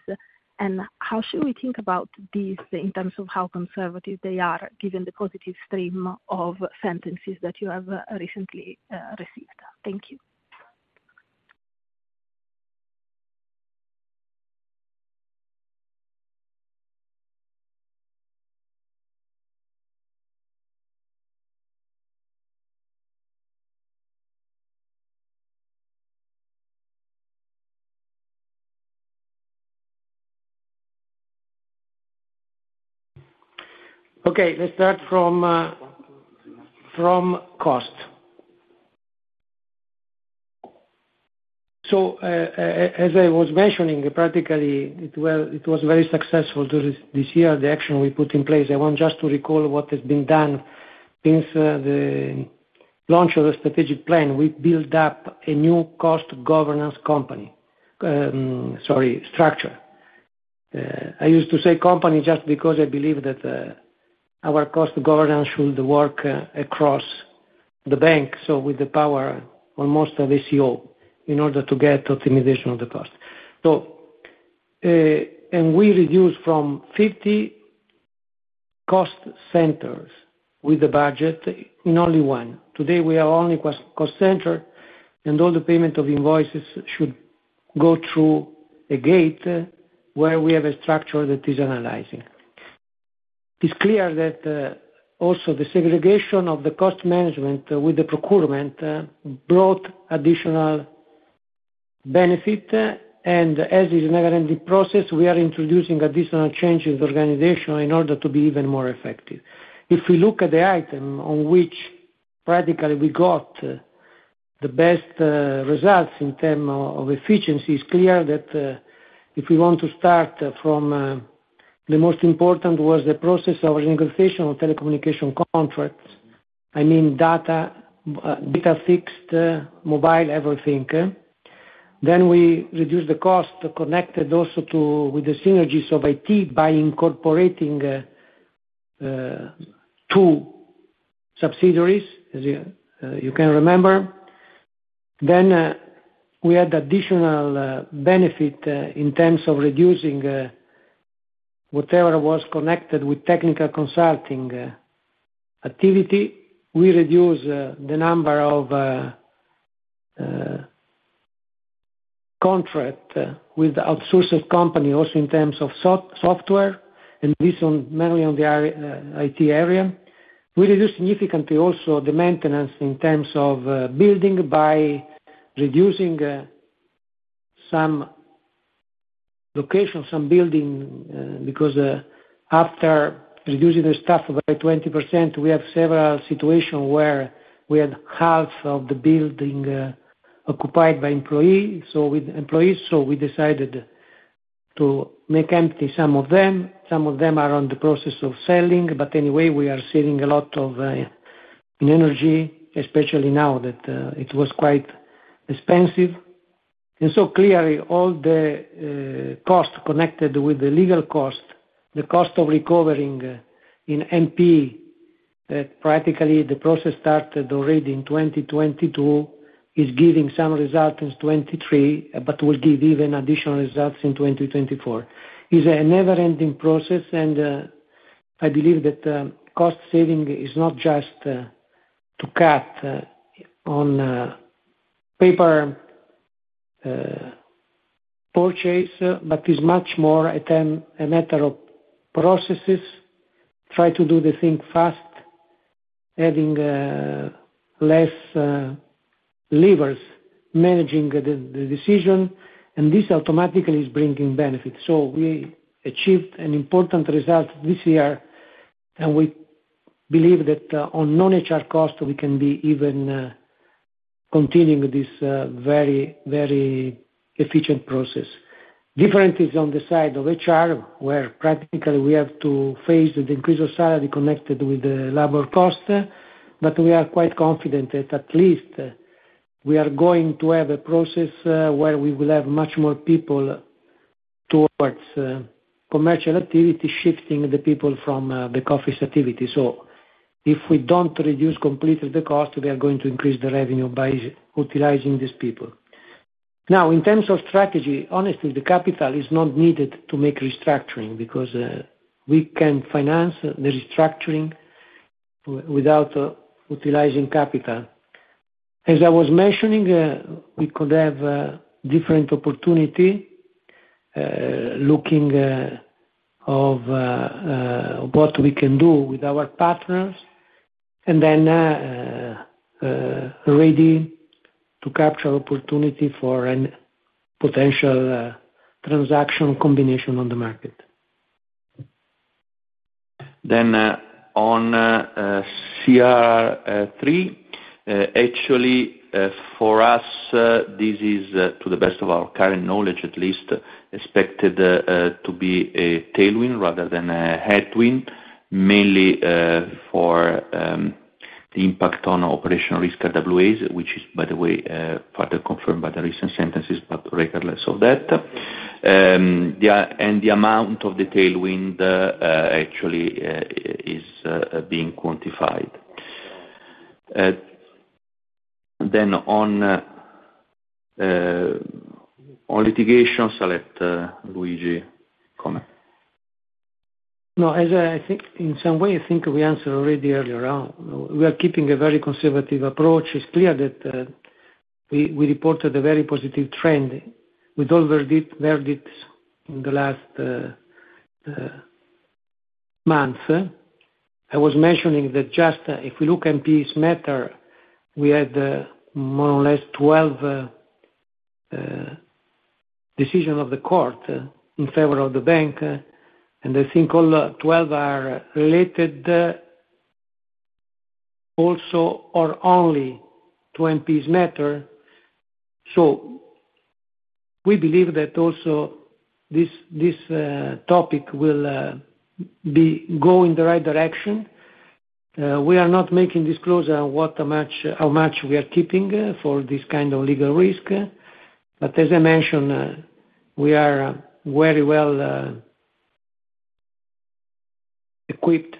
How should we think about this in terms of how conservative they are, given the positive stream of sentences that you have recently received? Thank you. Okay, let's start from cost. As I was mentioning, practically, well, it was very successful this year, the action we put in place. I want just to recall what has been done since the launch of the strategic plan. We built up a new cost governance company, sorry, structure. I used to say company just because I believe that our cost governance should work across the bank, so with the power on most of uncertain, in order to get optimization of the cost. We reduced from 50 cost centers with the budget in only 1. Today, we are only cost center, and all the payment of invoices should go through a gate, where we have a structure that is analyzing. It's clear that also the segregation of the cost management with the procurement brought additional benefit, and as is never-ending process, we are introducing additional changes organizationally in order to be even more effective. If we look at the item on which practically we got the best results in term of efficiency, it's clear that if we want to start from the most important was the process of renegotiation of telecommunication contracts. I mean, data fixed, mobile, everything. Then we reduced the cost connected also to, with the synergies of IT by incorporating two subsidiaries, as you can remember. Then we had additional benefit in terms of reducing whatever was connected with technical consulting activity. We reduced the number of contract with the outsourced company, also in terms of software, and this mainly on the IT area. We reduced significantly also the maintenance in terms of building by reducing some location, some building, because after reducing the staff by 20%, we have several situation where we had half of the building occupied by employee, so with employees, so we decided to make empty some of them. Some of them are on the process of selling, but anyway, we are saving a lot of energy, especially now that it was quite expensive. Clearly, all the costs connected with the legal cost, the cost of recovering in NP, that practically the process started already in 2022, is giving some result in 2023, but will give even additional results in 2024. It's a never-ending process, and I believe that cost saving is not just to cut on paper purchase, but is much more a matter of processes, try to do the thing fast, adding less levers, managing the decision, and this automatically is bringing benefits. We achieved an important result this year, and we believe that on non-HR costs, we can be even continuing this very, very efficient process. Different is on the side of HR, where practically we have to face the increase of salary connected with the labor cost, but we are quite confident that at least we are going to have a process, where we will have much more people towards, commercial activity, shifting the people from, the office activity. If we don't reduce completely the cost, we are going to increase the revenue by utilizing these people. Now, in terms of strategy, honestly, the capital is not needed to make restructuring, because, we can finance the restructuring without, utilizing capital. As I was mentioning, we could have a different opportunity, looking, of, what we can do with our partners, and then, ready to capture opportunity for an potential, transaction combination on the market. Then, on CRR III, actually, for us, this is, to the best of our current knowledge, at least, expected to be a tailwind rather than a headwind, mainly for the impact on operational risk RWAs, which is, by the way, further confirmed by the recent sentences, but regardless of that, and the amount of the tailwind, actually, is being quantified. Then, on litigations, I'll let Luigi comment. ... No, as I think, in some way, I think we answered already earlier on. We are keeping a very conservative approach. It's clear that we reported a very positive trend with all verdicts in the last month. I was mentioning that just if we look in MPS matter, we had more or less 12 decisions of the court in favor of the bank, and I think all 12 are related, also, or only to MPS matter. We believe that also this topic will go in the right direction. We are not making disclosure on what, how much we are keeping for this kind of legal risk. As I mentioned, we are very well equipped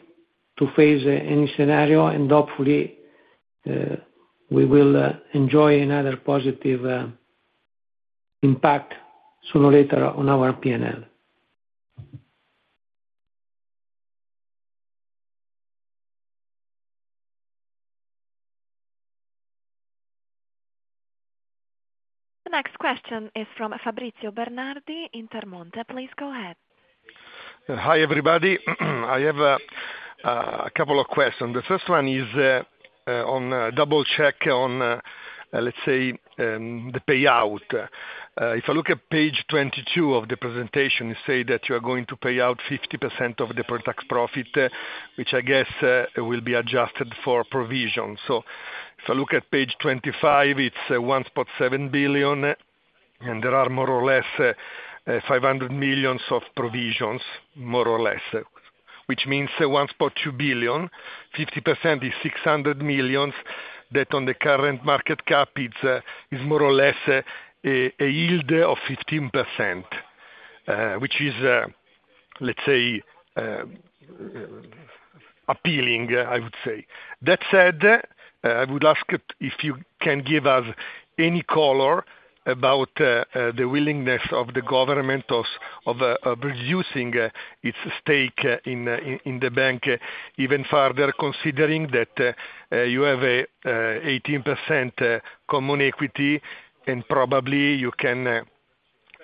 to face any scenario, and hopefully we will enjoy another positive impact sooner or later on our P&L. The next question is from Fabrizio Bernardi, Intermonte. Please go ahead. Hi, everybody. I have a couple of questions. The first one is on double check on, let's say, the payout. If I look at page 22 of the presentation, you say that you are going to pay out 50% of the pre-tax profit, which I guess will be adjusted for provision. If I look at page 25, it's 1.7 billion, and there are more or less 500 million of provisions, more or less, which means that 1.2 billion, 50% is 600 million, that on the current market cap, it's is more or less a yield of 15%, which is let's say appealing, I would say. That said, I would ask if you can give us any color about the willingness of the government of reducing its stake in the bank even further, considering that you have a 18% common equity, and probably you can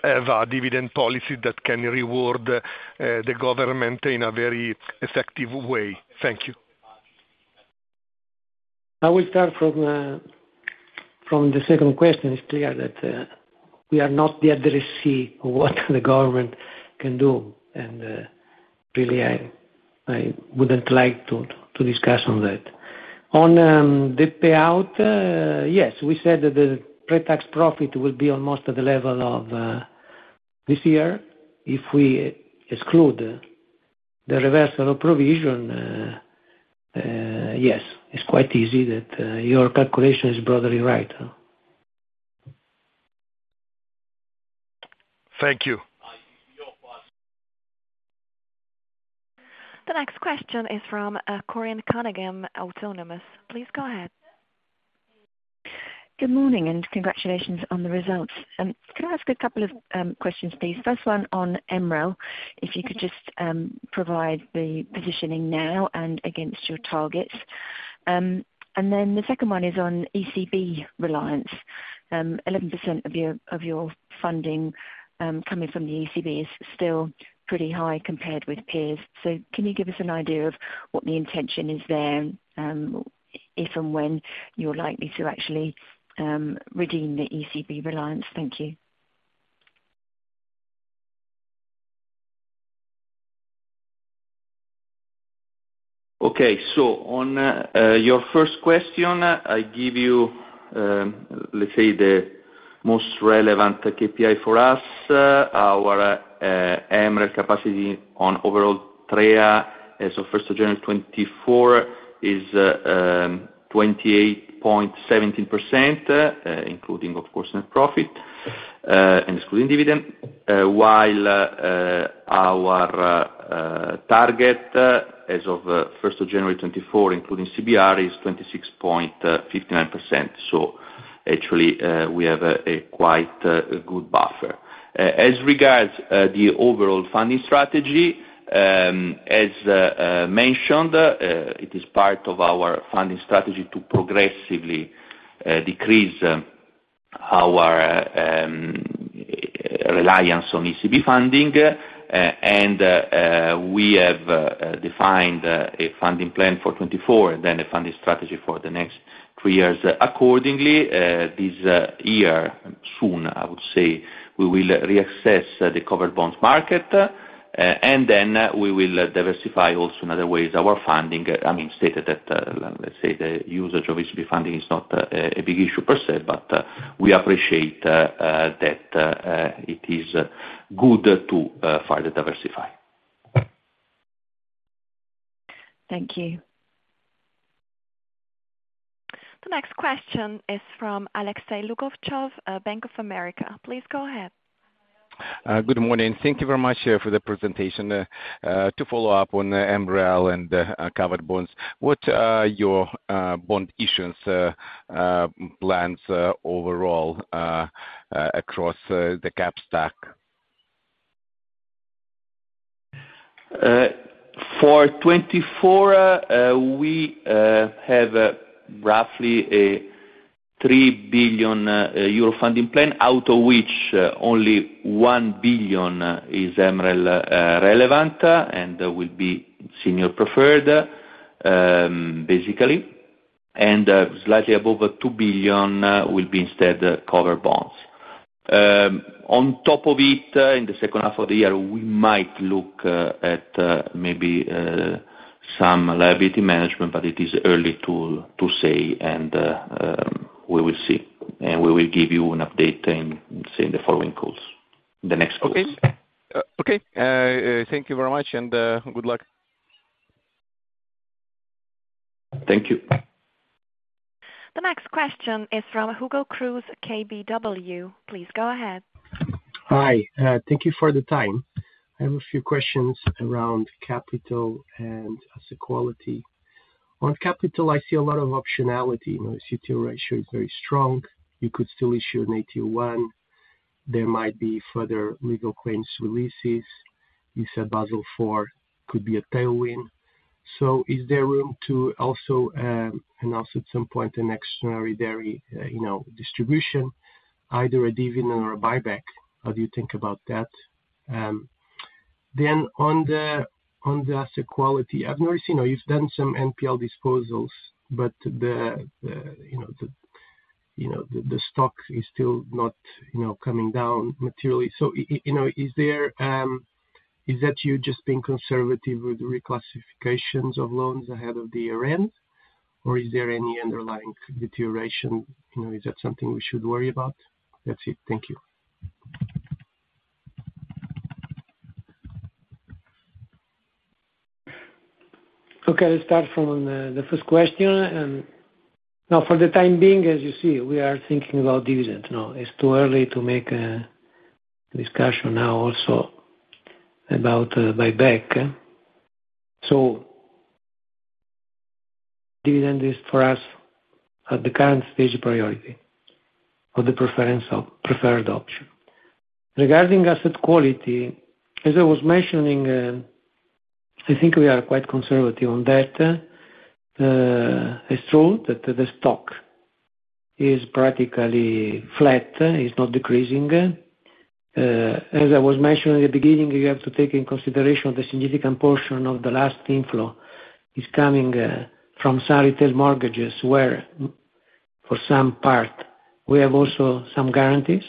have a dividend policy that can reward the government in a very effective way. Thank you. I will start from the second question. It's clear that we are not the addressee of what the government can do, and really, I wouldn't like to discuss on that. On the payout, yes, we said that the pre-tax profit will be almost at the level of this year, if we exclude the reversal of provision, yes, it's quite easy that your calculation is broadly right. Thank you. The next question is from, Corinne Cunningham, Autonomous. Please go ahead. Good morning, and congratulations on the results. Can I ask a couple of questions, please? First one, on MREL, if you could just provide the positioning now and against your targets. Then the second one is on ECB reliance. 11% of your funding coming from the ECB is still pretty high compared with peers. Can you give us an idea of what the intention is there, if and when you're likely to actually redeem the ECB reliance? Thank you. Okay. On your first question, I give you, let's say, the most relevant KPI for us. Our MREL capacity on overall RWA as of first of January 2024 is 28.17%, including, of course, net profit, and excluding dividend, while our target as of first of January 2024, including CRR, is 26.59%. Actually, we have a quite good buffer. As regards the overall funding strategy, as mentioned, it is part of our funding strategy to progressively decrease our reliance on ECB funding, and we have defined a funding plan for 2024 and then a funding strategy for the next two years. Accordingly, this year, soon, I would say, we will reassess the covered bonds market, and then we will diversify also in other ways, our funding, I mean, stated that, let's say the usage of ECB funding is not a big issue per se, but we appreciate that it is good to further diversify. Thank you. The next question is from Alexei Lugovtsov, Bank of America. Please go ahead. Good morning. Thank you very much for the presentation. To follow up on the MREL and covered bonds, what are your bond issuance plans overall across the capital stack? For 2024, we have roughly a 3 billion euro funding plan, out of which only 1 billion is MREL relevant, and will be senior preferred, basically, and slightly above 2 billion will be instead covered bonds. On top of it, in the second half of the year, we might look at maybe some liability management, but it is early to say, and we will see, and we will give you an update in, say, in the following calls, the next calls. Okay. Okay, thank you very much, and good luck. Thank you. The next question is from Hugo Cruz, KBW. Please go ahead. Hi, thank you for the time. I have a few questions around capital and asset quality. On capital, I see a lot of optionality. You know, CET1 ratio is very strong. You could still issue an AT1. There might be further legal claims releases. You said Basel IV could be a tailwind. Is there room to also announce at some point an extraordinary, you know, distribution, either a dividend or a buyback? How do you think about that? Then on the asset quality, I've noticed, you know, you've done some NPL disposals, but the stock is still not, you know, coming down materially. You know, is there, is that you just being conservative with reclassifications of loans ahead of the year end, or is there any underlying deterioration? You know, is that something we should worry about? That's it. Thank you. Okay, let's start from the first question. Now, for the time being, as you see, we are thinking about dividends now. It's too early to make a discussion now also about buyback. Dividend is, for us, at the current stage, a priority or the preference of preferred option. Regarding asset quality, as I was mentioning, I think we are quite conservative on that. It's true that the stock is practically flat, it's not decreasing As I was mentioning at the beginning, you have to take in consideration the significant portion of the last inflow is coming from retail mortgages, where for some part we have also some guarantees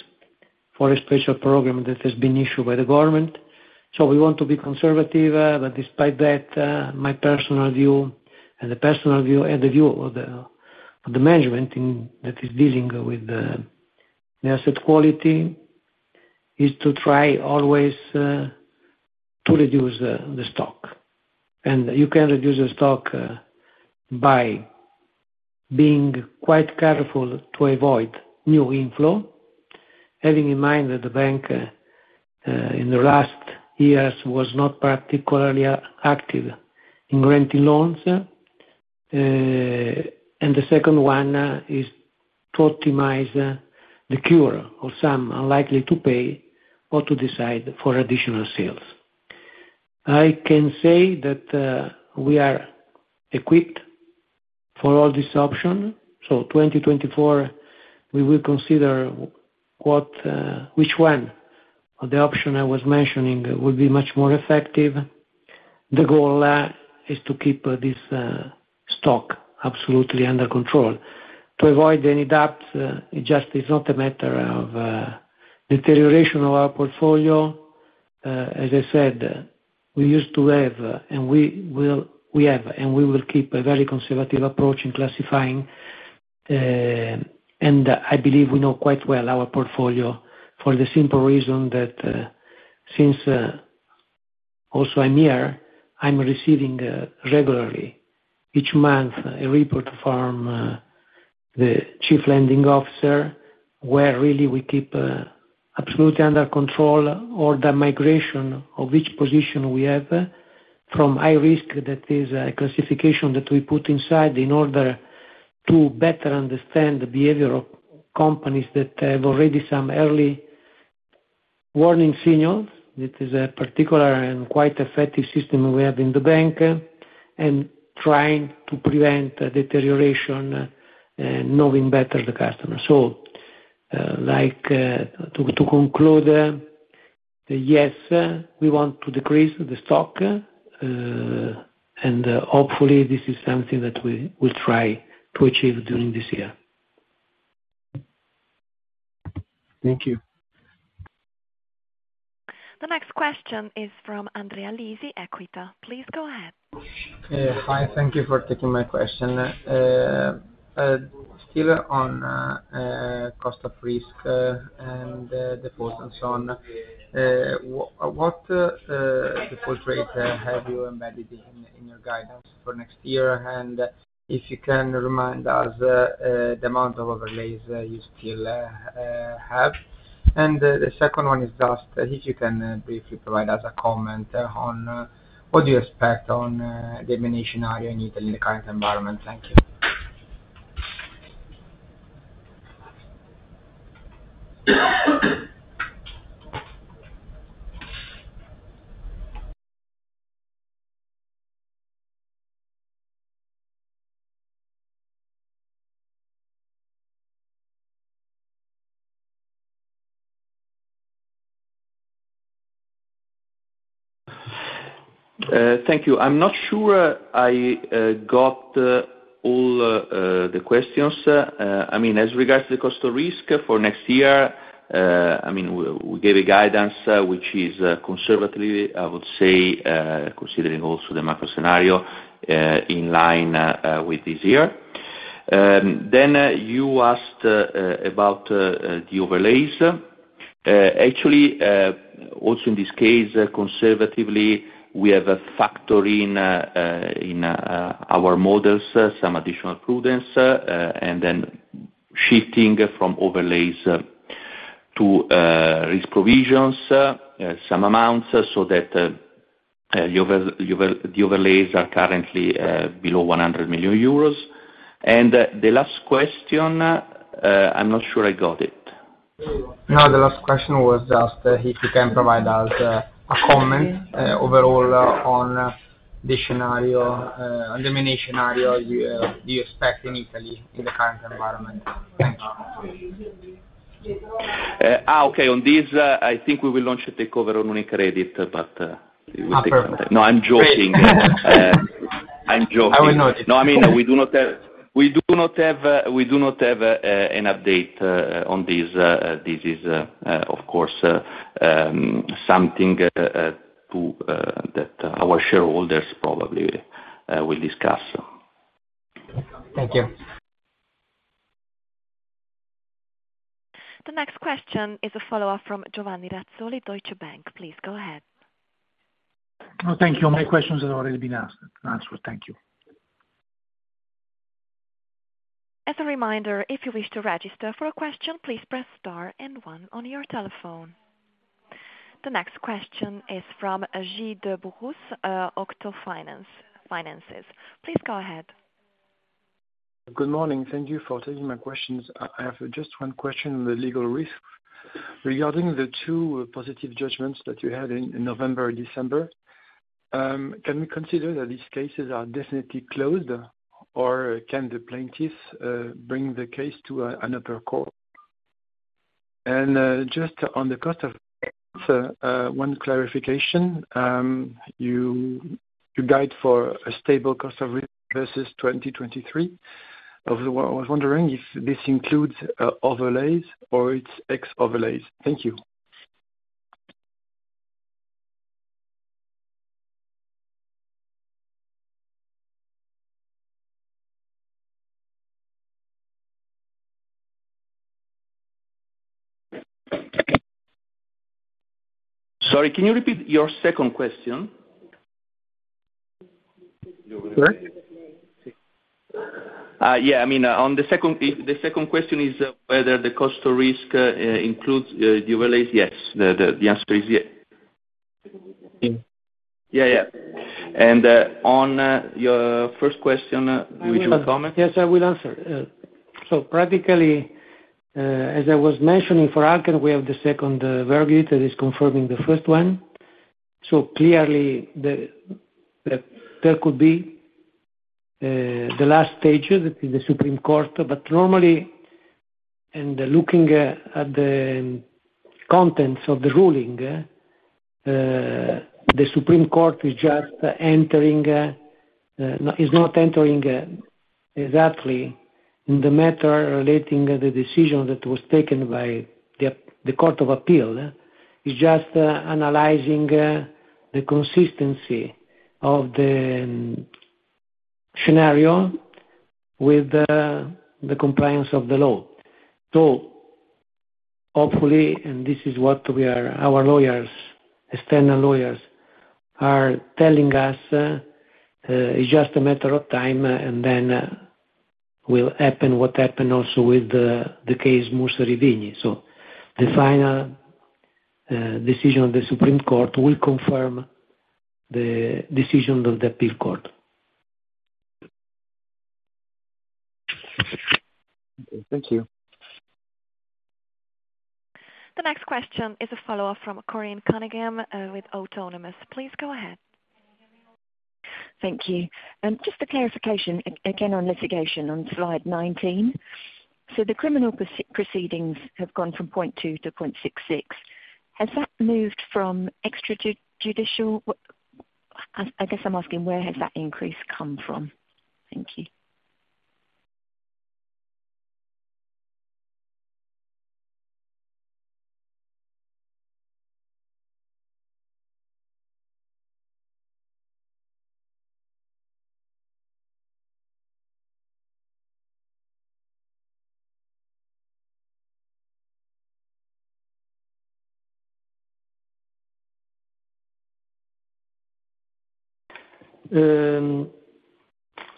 for a special program that has been issued by the government. We want to be conservative, but despite that, my personal view and the personal view, and the view of the management that is dealing with the asset quality, is to try always to reduce the stock. You can reduce the stock by being quite careful to avoid new inflow, having in mind that the bank in the last years was not particularly active in granting loans. The second one is to optimize the cure of some unlikely to pay or to decide for additional sales. I can say that we are equipped for all these option, so 2024, we will consider which one of the option I was mentioning would be much more effective. The goal is to keep this stock absolutely under control. To avoid any doubt, it just is not a matter of deterioration of our portfolio. As I said, we used to have, and we will, we have, and we will keep a very conservative approach in classifying, and I believe we know quite well our portfolio, for the simple reason that since also I'm here, I'm receiving regularly, each month, a report from the chief lending officer, where really we keep absolutely under control all the migration of each position we have from high risk. That is a classification that we put inside in order to better understand the behavior of companies that have already some early warning signals. It is a particular and quite effective system we have in the bank, and trying to prevent deterioration, knowing better the customer. Like, to conclude, yes, we want to decrease the stock, and hopefully this is something that we will try to achieve during this year. Thank you. The next question is from Andrea Lisi, Equita. Please go ahead. Hi, thank you for taking my question. Still on cost of risk and defaults and so on. What default rate have you embedded in your guidance for next year? If you can remind us the amount of overlays you still have. The second one is just if you can briefly provide us a comment on what you expect on the M&A area in Italy in the current environment. Thank you. Thank you. I'm not sure I got all the questions. I mean, as regards to the cost of risk for next year, I mean, we gave a guidance, which is conservatively, I would say, considering also the macro scenario, in line with this year. Then you asked about the overlays. Actually, also in this case, conservatively, we have factored in our models some additional prudence, and then shifting from overlays to risk provisions some amounts, so that the overlays are currently below 100 million euros. The last question, I'm not sure I got it. No, the last question was just if you can provide us a comment overall on the scenario, on the M&A scenario you expect in Italy in the current environment. Thank you. Okay. On this, I think we will launch a takeover on UniCredit, but, Ah, perfect. No, I'm joking. I'm joking. I will note. No, I mean, we do not have, we do not have, we do not have an update on this. This is, of course, something that our shareholders probably will discuss. Thank you. The next question is a follow-up from Giovanni Razzoli, Deutsche Bank. Please go ahead. Oh, thank you. My questions have already been asked and answered. Thank you. As a reminder, if you wish to register for a question, please press star and one on your telephone. The next question is from Gilles de Brux, Octo Finances. Please go ahead. Good morning. Thank you for taking my questions. I have just one question on the legal risk. Regarding the two positive judgments that you had in November and December, can we consider that these cases are definitely closed, or can the plaintiffs bring the case to another court? Just on the cost of risk, one clarification, you guide for a stable cost base versus 2023. I was wondering if this includes overlays or it's ex overlays. Thank you. Sorry, can you repeat your second question? Sorry? Yeah, I mean, on the second question is whether the cost of risk includes the overlays. Yes. The answer is yes. Yeah, yeah. On your first question, would you comment? Yes, I will answer. Practically, as I was mentioning for Alexandria, we have the second verdict that is confirming the first one. Clearly, there could be the last stage, the Supreme Court. Normally, and looking at the contents of the ruling, the Supreme Court is just entering, is not entering exactly in the matter relating the decision that was taken by the Court of Appeal. It's just analyzing the consistency of the scenario with the compliance of the law. Hopefully, and this is what we are, our lawyers, external lawyers, are telling us, it's just a matter of time, and then will happen what happened also with the case, Mussari Vigni. The final decision of the Supreme Court will confirm the decision of the Appeal Court. Thank you. The next question is a follow-up from Corinne Cunningham, with Autonomous. Please go ahead. Thank you. Just a clarification, again, on litigation on slide 19. The criminal proceedings have gone from 0.2 to 0.66. Has that moved from extrajudicial? I guess I'm asking, where has that increase come from? Thank you.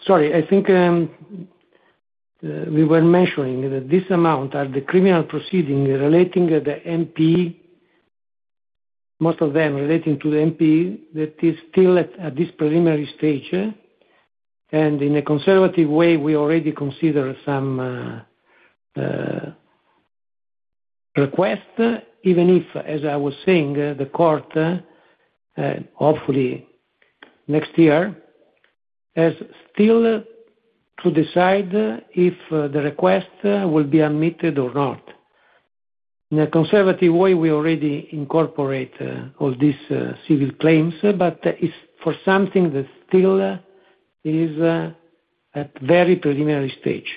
Sorry. I think we were mentioning that this amount are the criminal proceedings relating to the MPS, most of them relating to the MPS that is still at this preliminary stage, and in a conservative way, we already consider some request, even if, as I was saying, the court hopefully next year has still to decide if the request will be admitted or not. In a conservative way, we already incorporate all these civil claims, but it's for something that still is at very preliminary stage.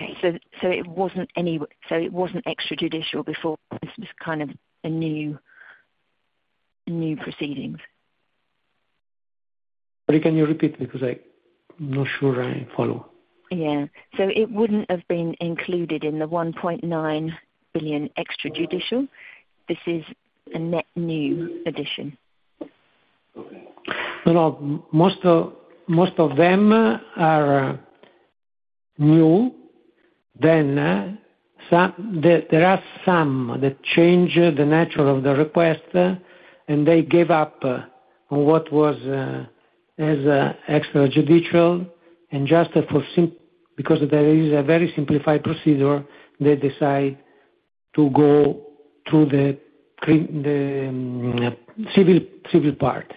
Okay. It wasn't extrajudicial before? This is kind of a new proceedings. Can you repeat? Because I'm not sure I follow. Yeah. It wouldn't have been included in the 1.9 billion extrajudicial. This is a net new addition. No, no. Most of them are new, then some—there are some that change the nature of the request, and they gave up on what was as extrajudicial, and just for—because there is a very simplified procedure, they decide to go through the civil part.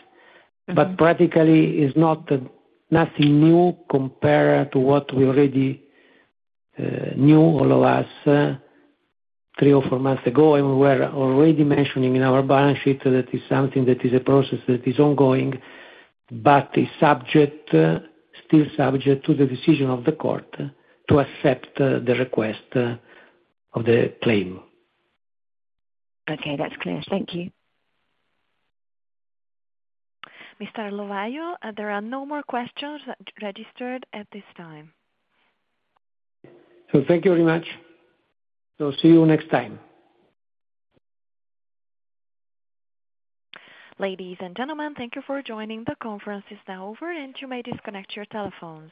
Practically, it's not nothing new compared to what we already knew all of us three or four months ago, and we were already mentioning in our balance sheet that is something that is a process that is ongoing, but is still subject to the decision of the court to accept the request of the claim. Okay, that's clear. Thank you. Mr. Lovaglio, there are no more questions registered at this time. Thank you very much. See you next time. Ladies and gentlemen, thank you for joining. The conference is now over, and you may disconnect your telephones.